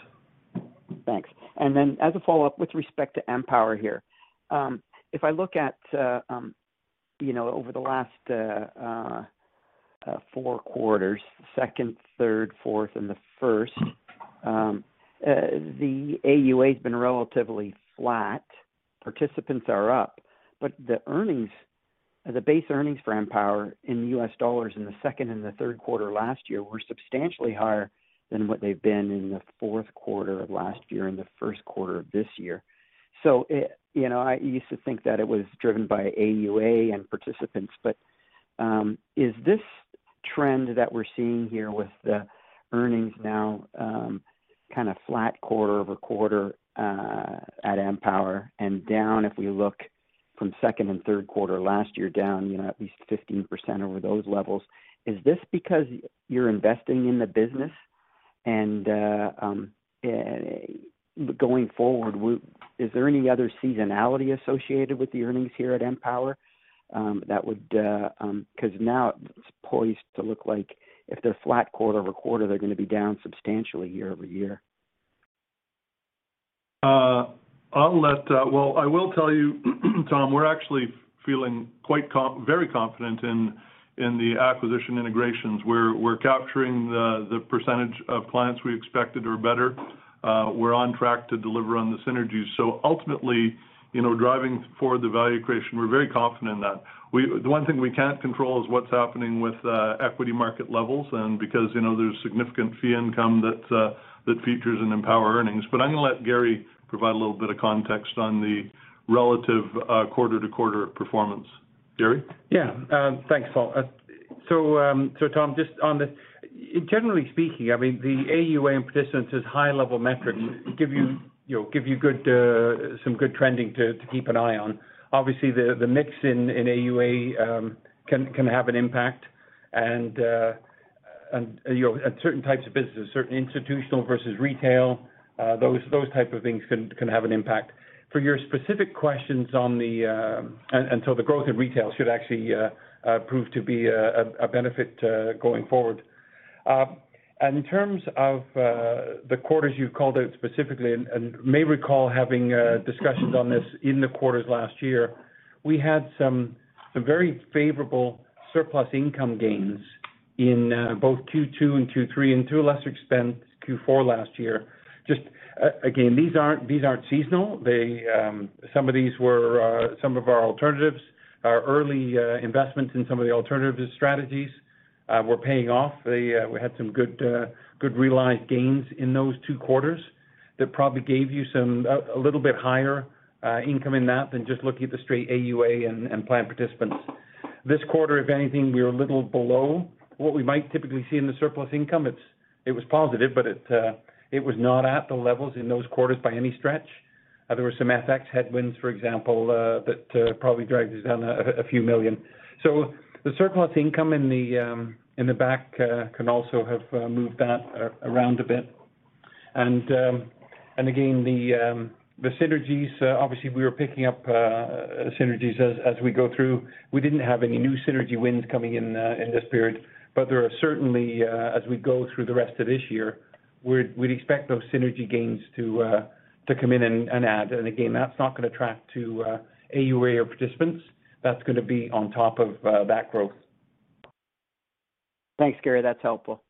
Thanks. As a follow-up, with respect to Empower here, if I look at, you know, over the last four quarters, second, third, fourth, and the first, the AUA has been relatively flat. Participants are up, but the earnings, the base earnings for Empower in U.S. dollars in the second and the third quarter last year were substantially higher than what they've been in the fourth quarter of last year and the first quarter of this year. You know, I used to think that it was driven by AUA and participants, but is this trend that we're seeing here with the earnings now kind of flat quarter-over-quarter at Empower and down, if we look from second and third quarter last year down, you know, at least 15% over those levels, is this because you're investing in the business? Going forward, is there any other seasonality associated with the earnings here at Empower that would 'cause now it's poised to look like if they're flat quarter-over-quarter, they're going to be down substantially year-over-year. I will tell you, Tom, we're actually feeling very confident in the acquisition integrations. We're capturing the percentage of clients we expected or better. We're on track to deliver on the synergies. Ultimately, you know, driving for the value creation, we're very confident in that. The one thing we can't control is what's happening with equity market levels, because, you know, there's significant fee income that features in Empower earnings. I'm going to let Garry provide a little bit of context on the relative quarter-to-quarter performance. Garry? Thanks, Paul. Tom, just on that generally speaking, I mean, the AUA and participants is high-level metrics give you know, some good trending to keep an eye on. Obviously, the mix in AUA can have an impact. You know, at certain types of businesses, certain institutional versus retail, those type of things can have an impact. For your specific questions on the growth in retail should actually prove to be a benefit going forward. In terms of the quarters you've called out specifically, you may recall having discussions on this in the quarters last year. We had some very favorable surplus income gains in both Q2 and Q3, and to a lesser extent, Q4 last year. Again, these aren't seasonal. Some of these were some of our alternatives. Our early investments in some of the alternatives strategies were paying off. We had some good realized gains in those two quarters that probably gave you a little bit higher income in that than just looking at the straight AUA and plan participants. This quarter, if anything, we were a little below what we might typically see in the surplus income. It was positive, but it was not at the levels in those quarters by any stretch. There were some FX headwinds, for example, that probably dragged us down a few million. The surplus income in the back can also have moved that around a bit. Again, the synergies obviously we are picking up synergies as we go through. We didn't have any new synergy wins coming in in this period, but there are certainly as we go through the rest of this year, we'd expect those synergy gains to come in and add. Again, that's not going to track to AUA or participants. That's going to be on top of that growth. Thanks, Garry. That's helpful.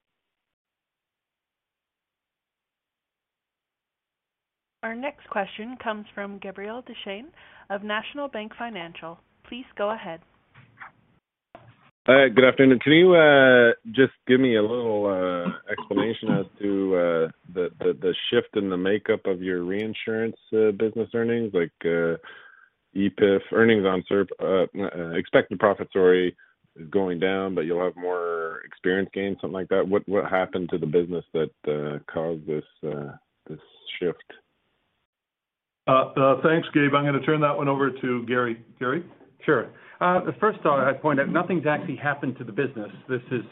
Our next question comes from Gabriel Dechaine of National Bank Financial. Please go ahead. Hi. Good afternoon. Can you just give me a little explanation as to the shift in the makeup of your reinsurance business earnings? Like, EPIF earnings on SURP, expected profits, sorry, going down, but you'll have more experience gains, something like that. What happened to the business that caused this shift? Thanks, Gabe. I'm gonna turn that one over to Garry. Garry? Sure. First, I point out nothing's actually happened to the business. This is,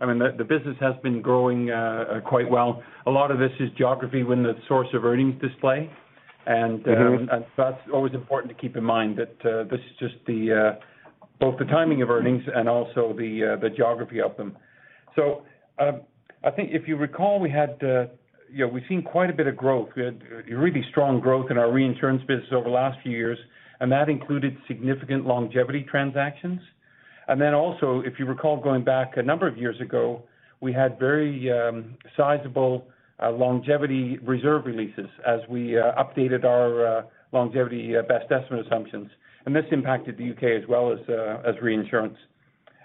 I mean, the business has been growing quite well. A lot of this is geography when the Source of Earnings display. Mm-hmm. That's always important to keep in mind that this is just both the timing of earnings and also the geography of them. I think if you recall, we had you know we've seen quite a bit of growth. We had really strong growth in our reinsurance business over the last few years, and that included significant longevity transactions. If you recall, going back a number of years ago, we had very sizable longevity reserve releases as we updated our longevity best estimate assumptions. This impacted the U.K. as well as reinsurance.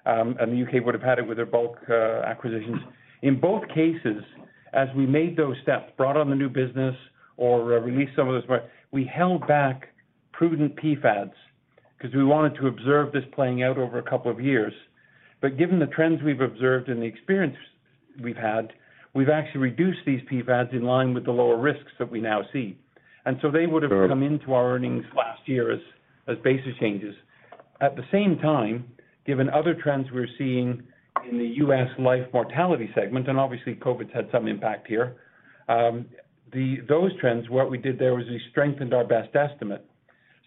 The U.K. would have had it with their bulk annuities. In both cases, as we made those steps, brought on the new business or, released some of those, we held back prudent PfADs because we wanted to observe this playing out over a couple of years. Given the trends we've observed and the experience we've had, we've actually reduced these PfADs in line with the lower risks that we now see. Sure. They would have come into our earnings last year as basis changes. At the same time, given other trends we're seeing in the U.S. life mortality segment, and obviously COVID's had some impact here, those trends, what we did there was we strengthened our best estimate.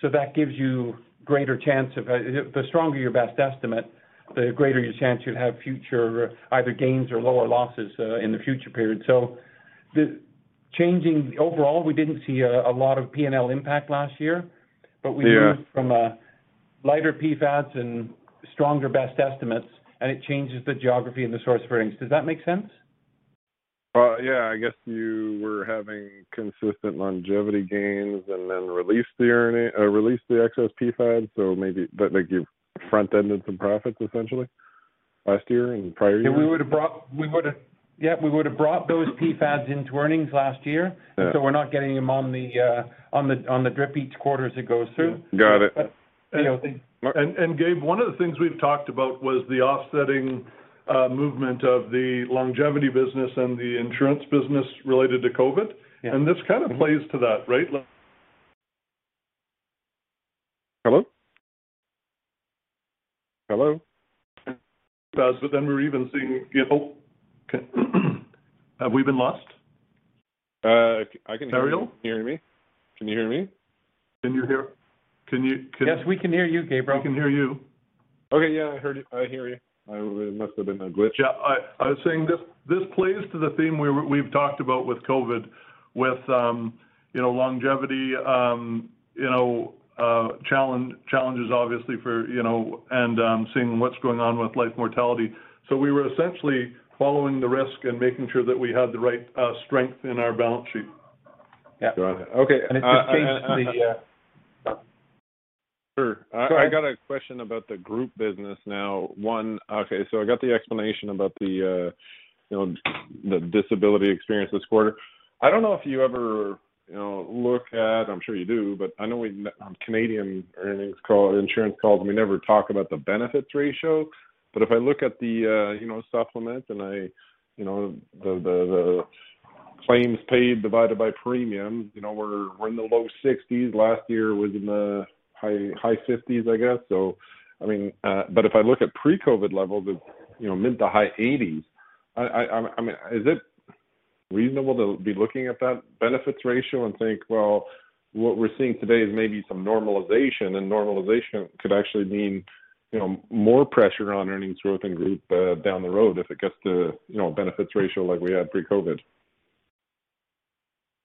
That gives you greater chance of. The stronger your best estimate, the greater your chance you'd have future either gains or lower losses in the future period. The changing overall, we didn't see a lot of P&L impact last year. Yeah. We moved from a lighter PfADs and stronger best estimates, and it changes the geography and the source of earnings. Does that make sense? I guess you were having consistent longevity gains and then released the excess PfADs, so maybe that, like, you front-ended some profits essentially last year and prior years. Yeah, we would have brought those PfADs into earnings last year. Yeah. We're not getting them on the drip each quarter as it goes through. Got it. Gabe, one of the things we've talked about was the offsetting movement of the longevity business and the insurance business related to COVID. Yeah. This kind of plays to that, right? Hello? Hello? We're even seeing. Have we been lost? I can hear you. Gabriel? Can you hear me? Can you hear me? Can you hear? Yes, we can hear you, Gabriel. We can hear you. Okay. Yeah, I heard you. I hear you. It must have been a glitch. Yeah. I was saying this plays to the theme we've talked about with COVID, with you know, longevity, you know, challenges obviously for you know, and seeing what's going on with life mortality. We were essentially following the risk and making sure that we had the right strength in our balance sheet. Yeah. Got it. Okay. It just changed the. Sure. I got a question about the group business now. Okay, so I got the explanation about the, you know, the disability experience this quarter. I don't know if you ever, you know, look at, I'm sure you do, but I know in, on Canadian earnings call, insurance calls, we never talk about the benefits ratio. If I look at the, you know, supplement and I, you know, the claims paid divided by premium, you know, we're in the low 60s. Last year was in the high 50s, I guess so. I mean, if I look at pre-COVID levels of, you know, mid- to high 80s, I mean, is it reasonable to be looking at that benefits ratio and think, well, what we're seeing today is maybe some normalization, and normalization could actually mean, you know, more pressure on earnings growth and group down the road if it gets to, you know, benefits ratio like we had pre-COVID.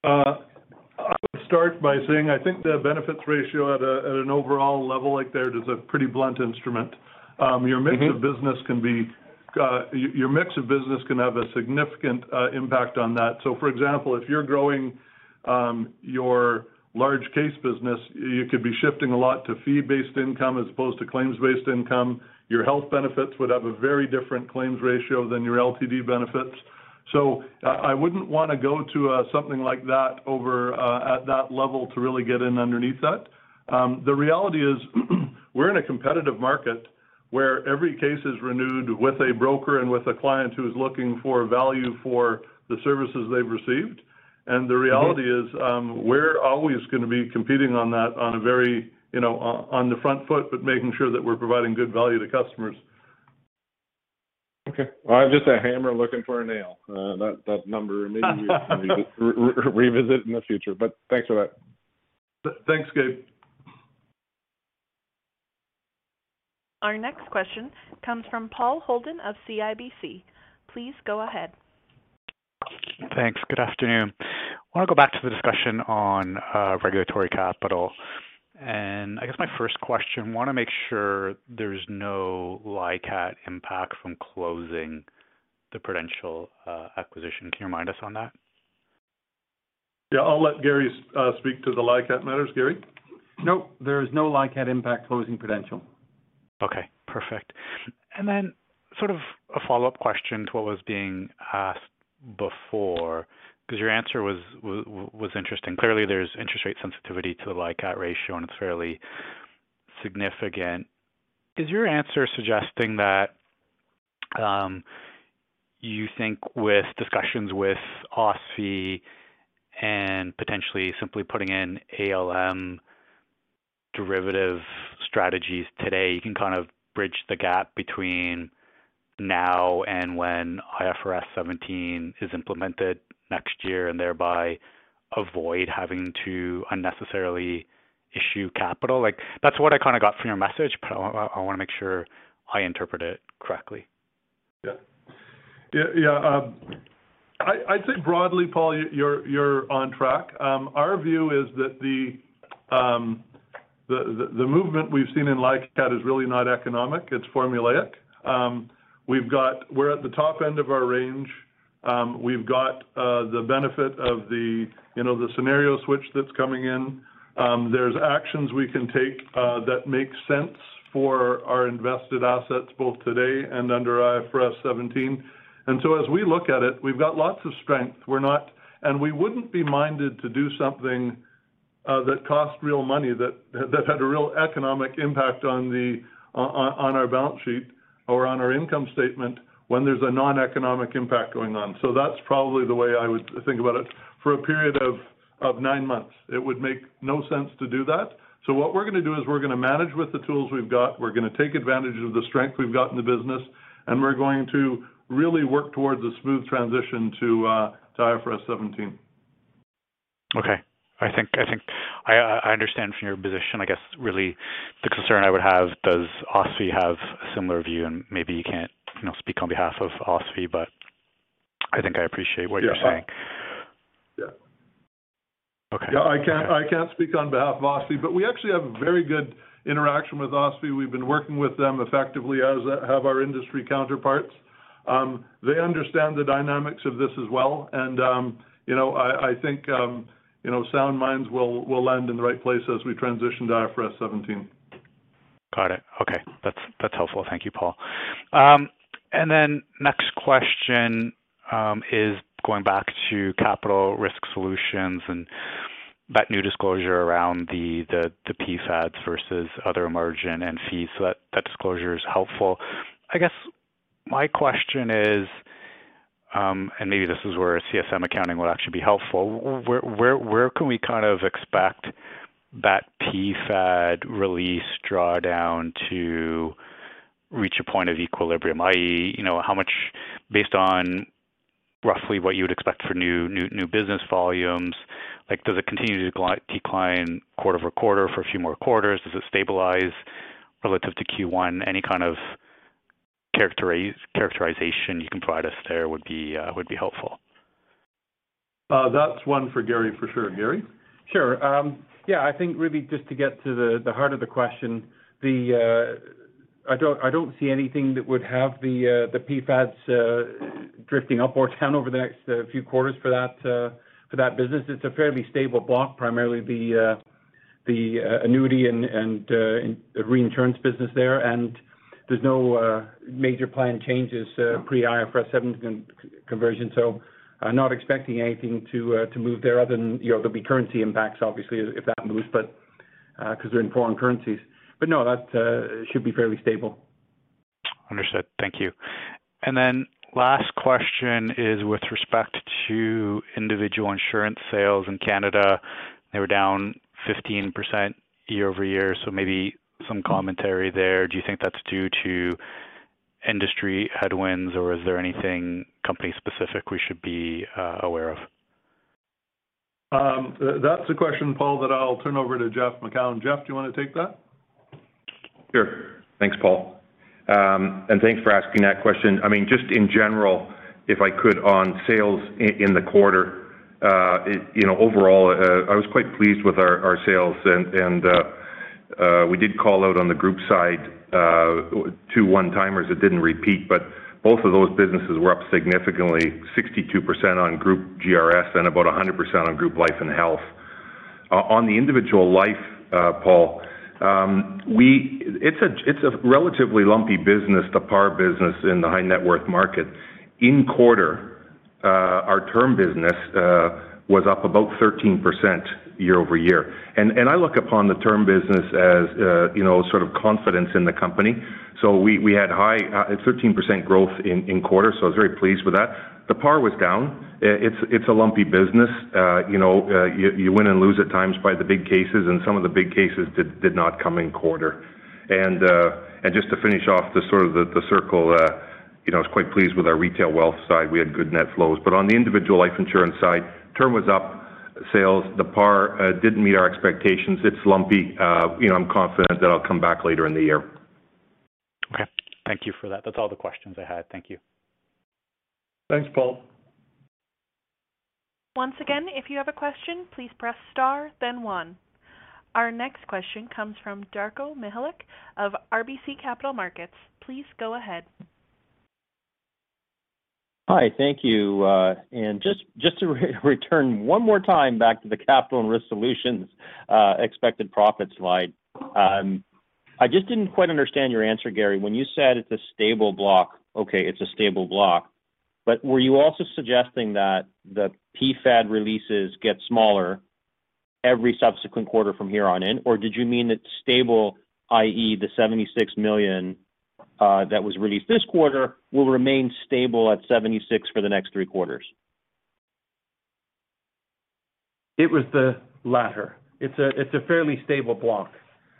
I would start by saying, I think the benefits ratio at an overall level like there is a pretty blunt instrument. Your mix- Mm-hmm Of business can be, your mix of business can have a significant impact on that. For example, if you're growing your large case business, you could be shifting a lot to fee-based income as opposed to claims-based income. Your health benefits would have a very different claims ratio than your LTD benefits. I wouldn't want to go to something like that over at that level to really get in underneath that. The reality is we're in a competitive market where every case is renewed with a broker and with a client who is looking for value for the services they've received. Mm-hmm. The reality is, we're always gonna be competing on that on a very, you know, on the front foot, but making sure that we're providing good value to customers. Okay. Well, I'm just a hammer looking for a nail. That number we can revisit in the future. Thanks for that. Thanks, Gabe. Our next question comes from Paul Holden of CIBC. Please go ahead. Thanks. Good afternoon. I want to go back to the discussion on regulatory capital. I guess my first question, want to make sure there's no LICAT impact from closing the Prudential acquisition. Can you remind us on that? Yeah, I'll let Garry speak to the LICAT matters. Garry? Nope. There is no LICAT impact closing Prudential. Okay. Perfect. Sort of a follow-up question to what was being asked before, because your answer was interesting. Clearly, there's interest rate sensitivity to the LICAT ratio, and it's fairly significant. Is your answer suggesting that you think with discussions with OSFI and potentially simply putting in ALM derivative strategies today, you can kind of bridge the gap between now and when IFRS 17 is implemented next year and thereby avoid having to unnecessarily issue capital? Like, that's what I kind of got from your message, but I wanna make sure I interpret it correctly. Yeah. I'd say broadly, Paul, you're on track. Our view is that the movement we've seen in LICAT is really not economic. It's formulaic. We're at the top end of our range. We've got the benefit of, you know, the scenario switch that's coming in. There's actions we can take that make sense for our invested assets, both today and under IFRS 17. As we look at it, we've got lots of strength. We wouldn't be minded to do something that costs real money, that had a real economic impact on our balance sheet or on our income statement when there's a noneconomic impact going on. That's probably the way I would think about it. For a period of nine months, it would make no sense to do that. What we're gonna do is we're gonna manage with the tools we've got. We're gonna take advantage of the strength we've got in the business, and we're going to really work towards a smooth transition to IFRS 17. Okay. I think I understand from your position. I guess really the concern I would have, does OSFI have a similar view? Maybe you can't, you know, speak on behalf of OSFI, but I think I appreciate what you're saying. Yeah. Okay. Yeah, I can't speak on behalf of OSFI, but we actually have a very good interaction with OSFI. We've been working with them effectively, as have our industry counterparts. They understand the dynamics of this as well. You know, I think, you know, sound minds will land in the right place as we transition to IFRS 17. Got it. Okay. That's helpful. Thank you, Paul. Next question is going back to Capital and Risk Solutions and that new disclosure around the PfADs versus other margin and fees. That disclosure is helpful. I guess my question is, and maybe this is where CSM accounting would actually be helpful. Where can we kind of expect that PfAD release drawdown to reach a point of equilibrium? i.e., you know, how much based on roughly what you would expect for new business volumes, like, does it continue to decline quarter-over-quarter for a few more quarters? Does it stabilize relative to Q1? Any kind of characterization you can provide us there would be helpful. That's one for Garry, for sure. Garry. Sure. Yeah, I think really just to get to the heart of the question, I don't see anything that would have the PfADs drifting up or down over the next few quarters for that business. It's a fairly stable block, primarily the annuity and the reinsurance business there. There's no major plan changes pre-IFRS 17 conversion. I'm not expecting anything to move there other than, you know, there'll be currency impacts obviously if that moves, but because they're in foreign currencies. No, that should be fairly stable. Understood. Thank you. Last question is with respect to individual insurance sales in Canada. They were down 15% year-over-year, maybe some commentary there. Do you think that's due to industry headwinds or is there anything company specific we should be aware of? That's a question, Paul, that I'll turn over to Jeff Macoun. Jeff, do you want to take that? Sure. Thanks, Paul. Thanks for asking that question. I mean, just in general, if I could, on sales in the quarter, you know, overall, I was quite pleased with our sales. We did call out on the group side two one-timers that didn't repeat, but both of those businesses were up significantly 62% on group GRS and about 100% on group life and health. On the individual life, Paul, it's a relatively lumpy business, the par business in the high net worth market. In the quarter, our term business was up about 13% year-over-year. I look upon the term business as, you know, sort of confidence in the company. We had high 13% growth in quarter, so I was very pleased with that. The par was down. It's a lumpy business. You know, you win and lose at times by the big cases, and some of the big cases did not come in quarter. Just to finish off the sort of the circle, you know, I was quite pleased with our retail wealth side. We had good net flows. But on the individual life insurance side, term was up, sales. The par didn't meet our expectations. It's lumpy. You know, I'm confident that'll come back later in the year. Okay. Thank you for that. That's all the questions I had. Thank you. Thanks, Paul. Once again, if you have a question, please press star then one. Our next question comes from Darko Mihelic of RBC Capital Markets. Please go ahead. Hi. Thank you. Just to return one more time back to the Capital and Risk Solutions expected profit slide. I just didn't quite understand your answer, Garry, when you said it's a stable block. Okay, it's a stable block. Were you also suggesting that the PfAD releases get smaller every subsequent quarter from here on in? Or did you mean it's stable, i.e., the 76 million that was released this quarter will remain stable at 76 million for the next three quarters? It was the latter. It's a fairly stable block.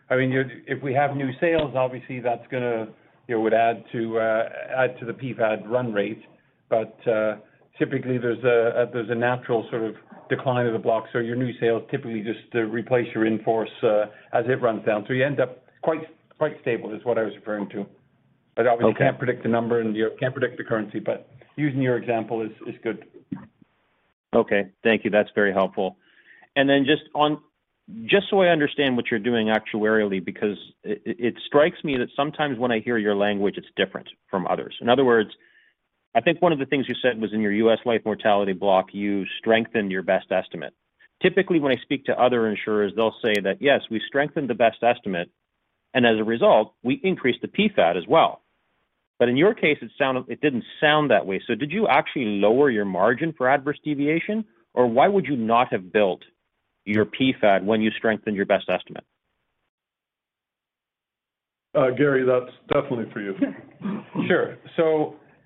I mean, if we have new sales, obviously that's gonna, you know, would add to the PfAD run rate. Typically there's a natural sort of decline of the block. Your new sales typically just replace your in force as it runs down. You end up quite stable is what I was referring to. Okay. Obviously you can't predict the number and you can't predict the currency, but using your example is good. Okay. Thank you. That's very helpful. Just so I understand what you're doing actuarially, because it strikes me that sometimes when I hear your language, it's different from others. In other words, I think one of the things you said was in your U.S. life mortality block, you strengthened your best estimate. Typically, when I speak to other insurers, they'll say that, "Yes, we strengthened the best estimate, and as a result, we increased the PfAD as well." But in your case, it didn't sound that way. Did you actually lower your margin for adverse deviation, or why would you not have built your PfAD when you strengthened your best estimate? Garry, that's definitely for you. Sure.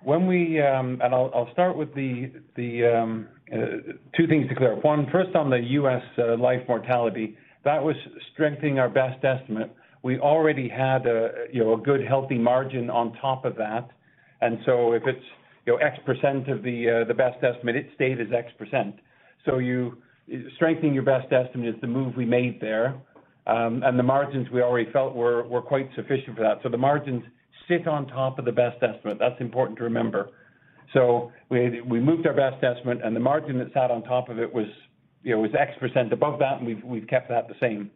When we and I'll start with the two things to clear up. One, first on the U.S. life mortality, that was strengthening our best estimate. We already had a you know a good healthy margin on top of that. If it's you know X percent of the best estimate, it stayed as X percent. You strengthening your best estimate is the move we made there. The margins we already felt were quite sufficient for that. The margins sit on top of the best estimate. That's important to remember. We moved our best estimate and the margin that sat on top of it was you know X percent above that, and we've kept that the same.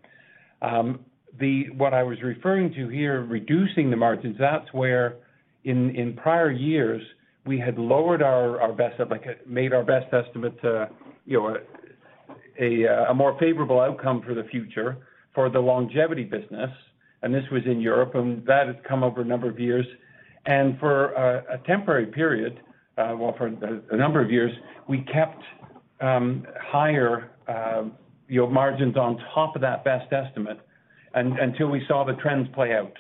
What I was referring to here, reducing the margins, that's where in prior years we had lowered our best estimate to, you know, a more favorable outcome for the future for the longevity business, and this was in Europe, and that has come over a number of years. For a temporary period, well, for a number of years, we kept higher our margins on top of that best estimate until we saw the trends play out.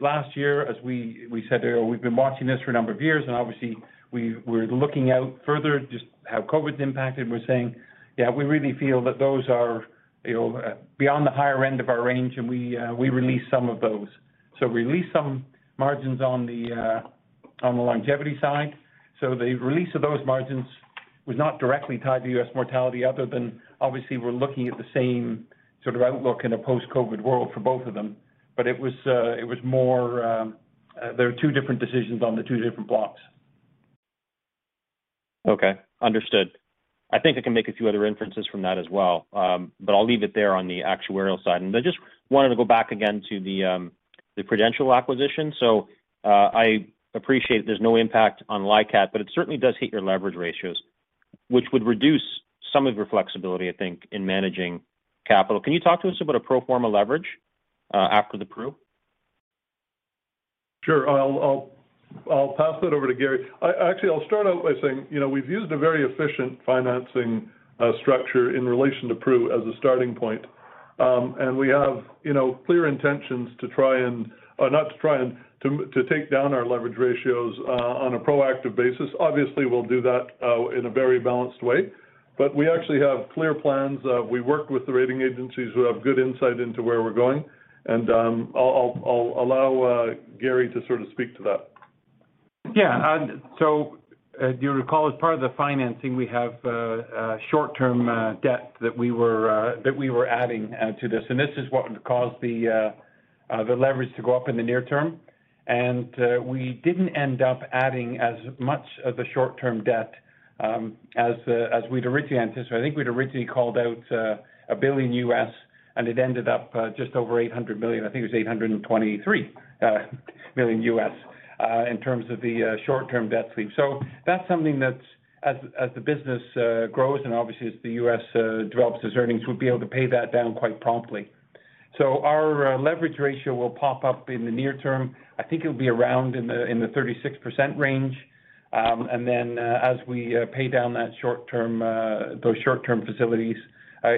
Last year, as we said, you know, we've been watching this for a number of years, and obviously we're looking out further just how COVID's impacted. We're saying, "Yeah, we really feel that those are, you know, beyond the higher end of our range," and we released some of those. Released some margins on the longevity side. The release of those margins was not directly tied to U.S. mortality other than obviously we're looking at the same sort of outlook in a post-COVID world for both of them. It was more. There are two different decisions on the two different blocks. Okay. Understood. I think I can make a few other inferences from that as well, but I'll leave it there on the actuarial side. I just wanted to go back again to the Prudential acquisition. I appreciate there's no impact on LICAT, but it certainly does hit your leverage ratios, which would reduce some of your flexibility, I think, in managing capital. Can you talk to us about a pro forma leverage after the Pru? Sure. I'll pass that over to Garry. Actually, I'll start out by saying, you know, we've used a very efficient financing structure in relation to Pru as a starting point. We have, you know, clear intentions to take down our leverage ratios on a proactive basis. Obviously, we'll do that in a very balanced way. We actually have clear plans. We work with the rating agencies who have good insight into where we're going, and I'll allow Garry to sort of speak to that. Yeah. As you recall, as part of the financing, we have short-term debt that we were adding to this, and this is what would cause the leverage to go up in the near term. We didn't end up adding as much of the short-term debt as we'd originally anticipated. I think we'd originally called out $1 billion, and it ended up just over $800 million. I think it was $823 million in terms of the short-term debt sleeve. That's something that's as the business grows, and obviously, as the U.S. develops as earnings, we'd be able to pay that down quite promptly. Our leverage ratio will pop up in the near term. I think it'll be around in the 36% range. Then, as we pay down that short-term, those short-term facilities,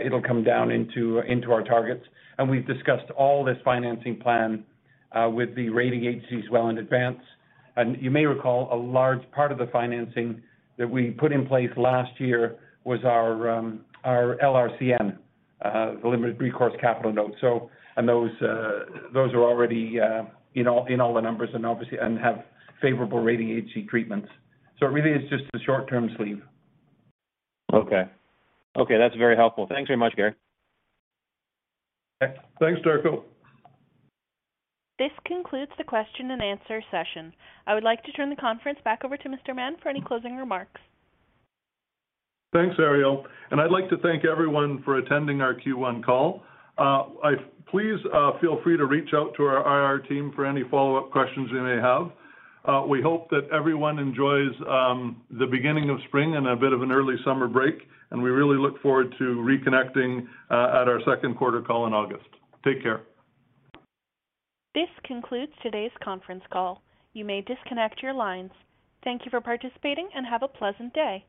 it'll come down into our targets. We've discussed all this financing plan with the rating agencies well in advance. You may recall a large part of the financing that we put in place last year was our LRCN, the limited recourse capital notes. Those are already in all the numbers and obviously have favorable rating agency treatments. It really is just a short-term sleeve. Okay, that's very helpful. Thanks very much, Garry. Thanks, Darko. This concludes the question and answer session. I would like to turn the conference back over to Mr. Mahon for any closing remarks. Thanks, Ariel, and I'd like to thank everyone for attending our Q1 call. Please, feel free to reach out to our IR team for any follow-up questions you may have. We hope that everyone enjoys the beginning of spring and a bit of an early summer break, and we really look forward to reconnecting at our second quarter call in August. Take care. This concludes today's conference call. You may disconnect your lines. Thank you for participating and have a pleasant day.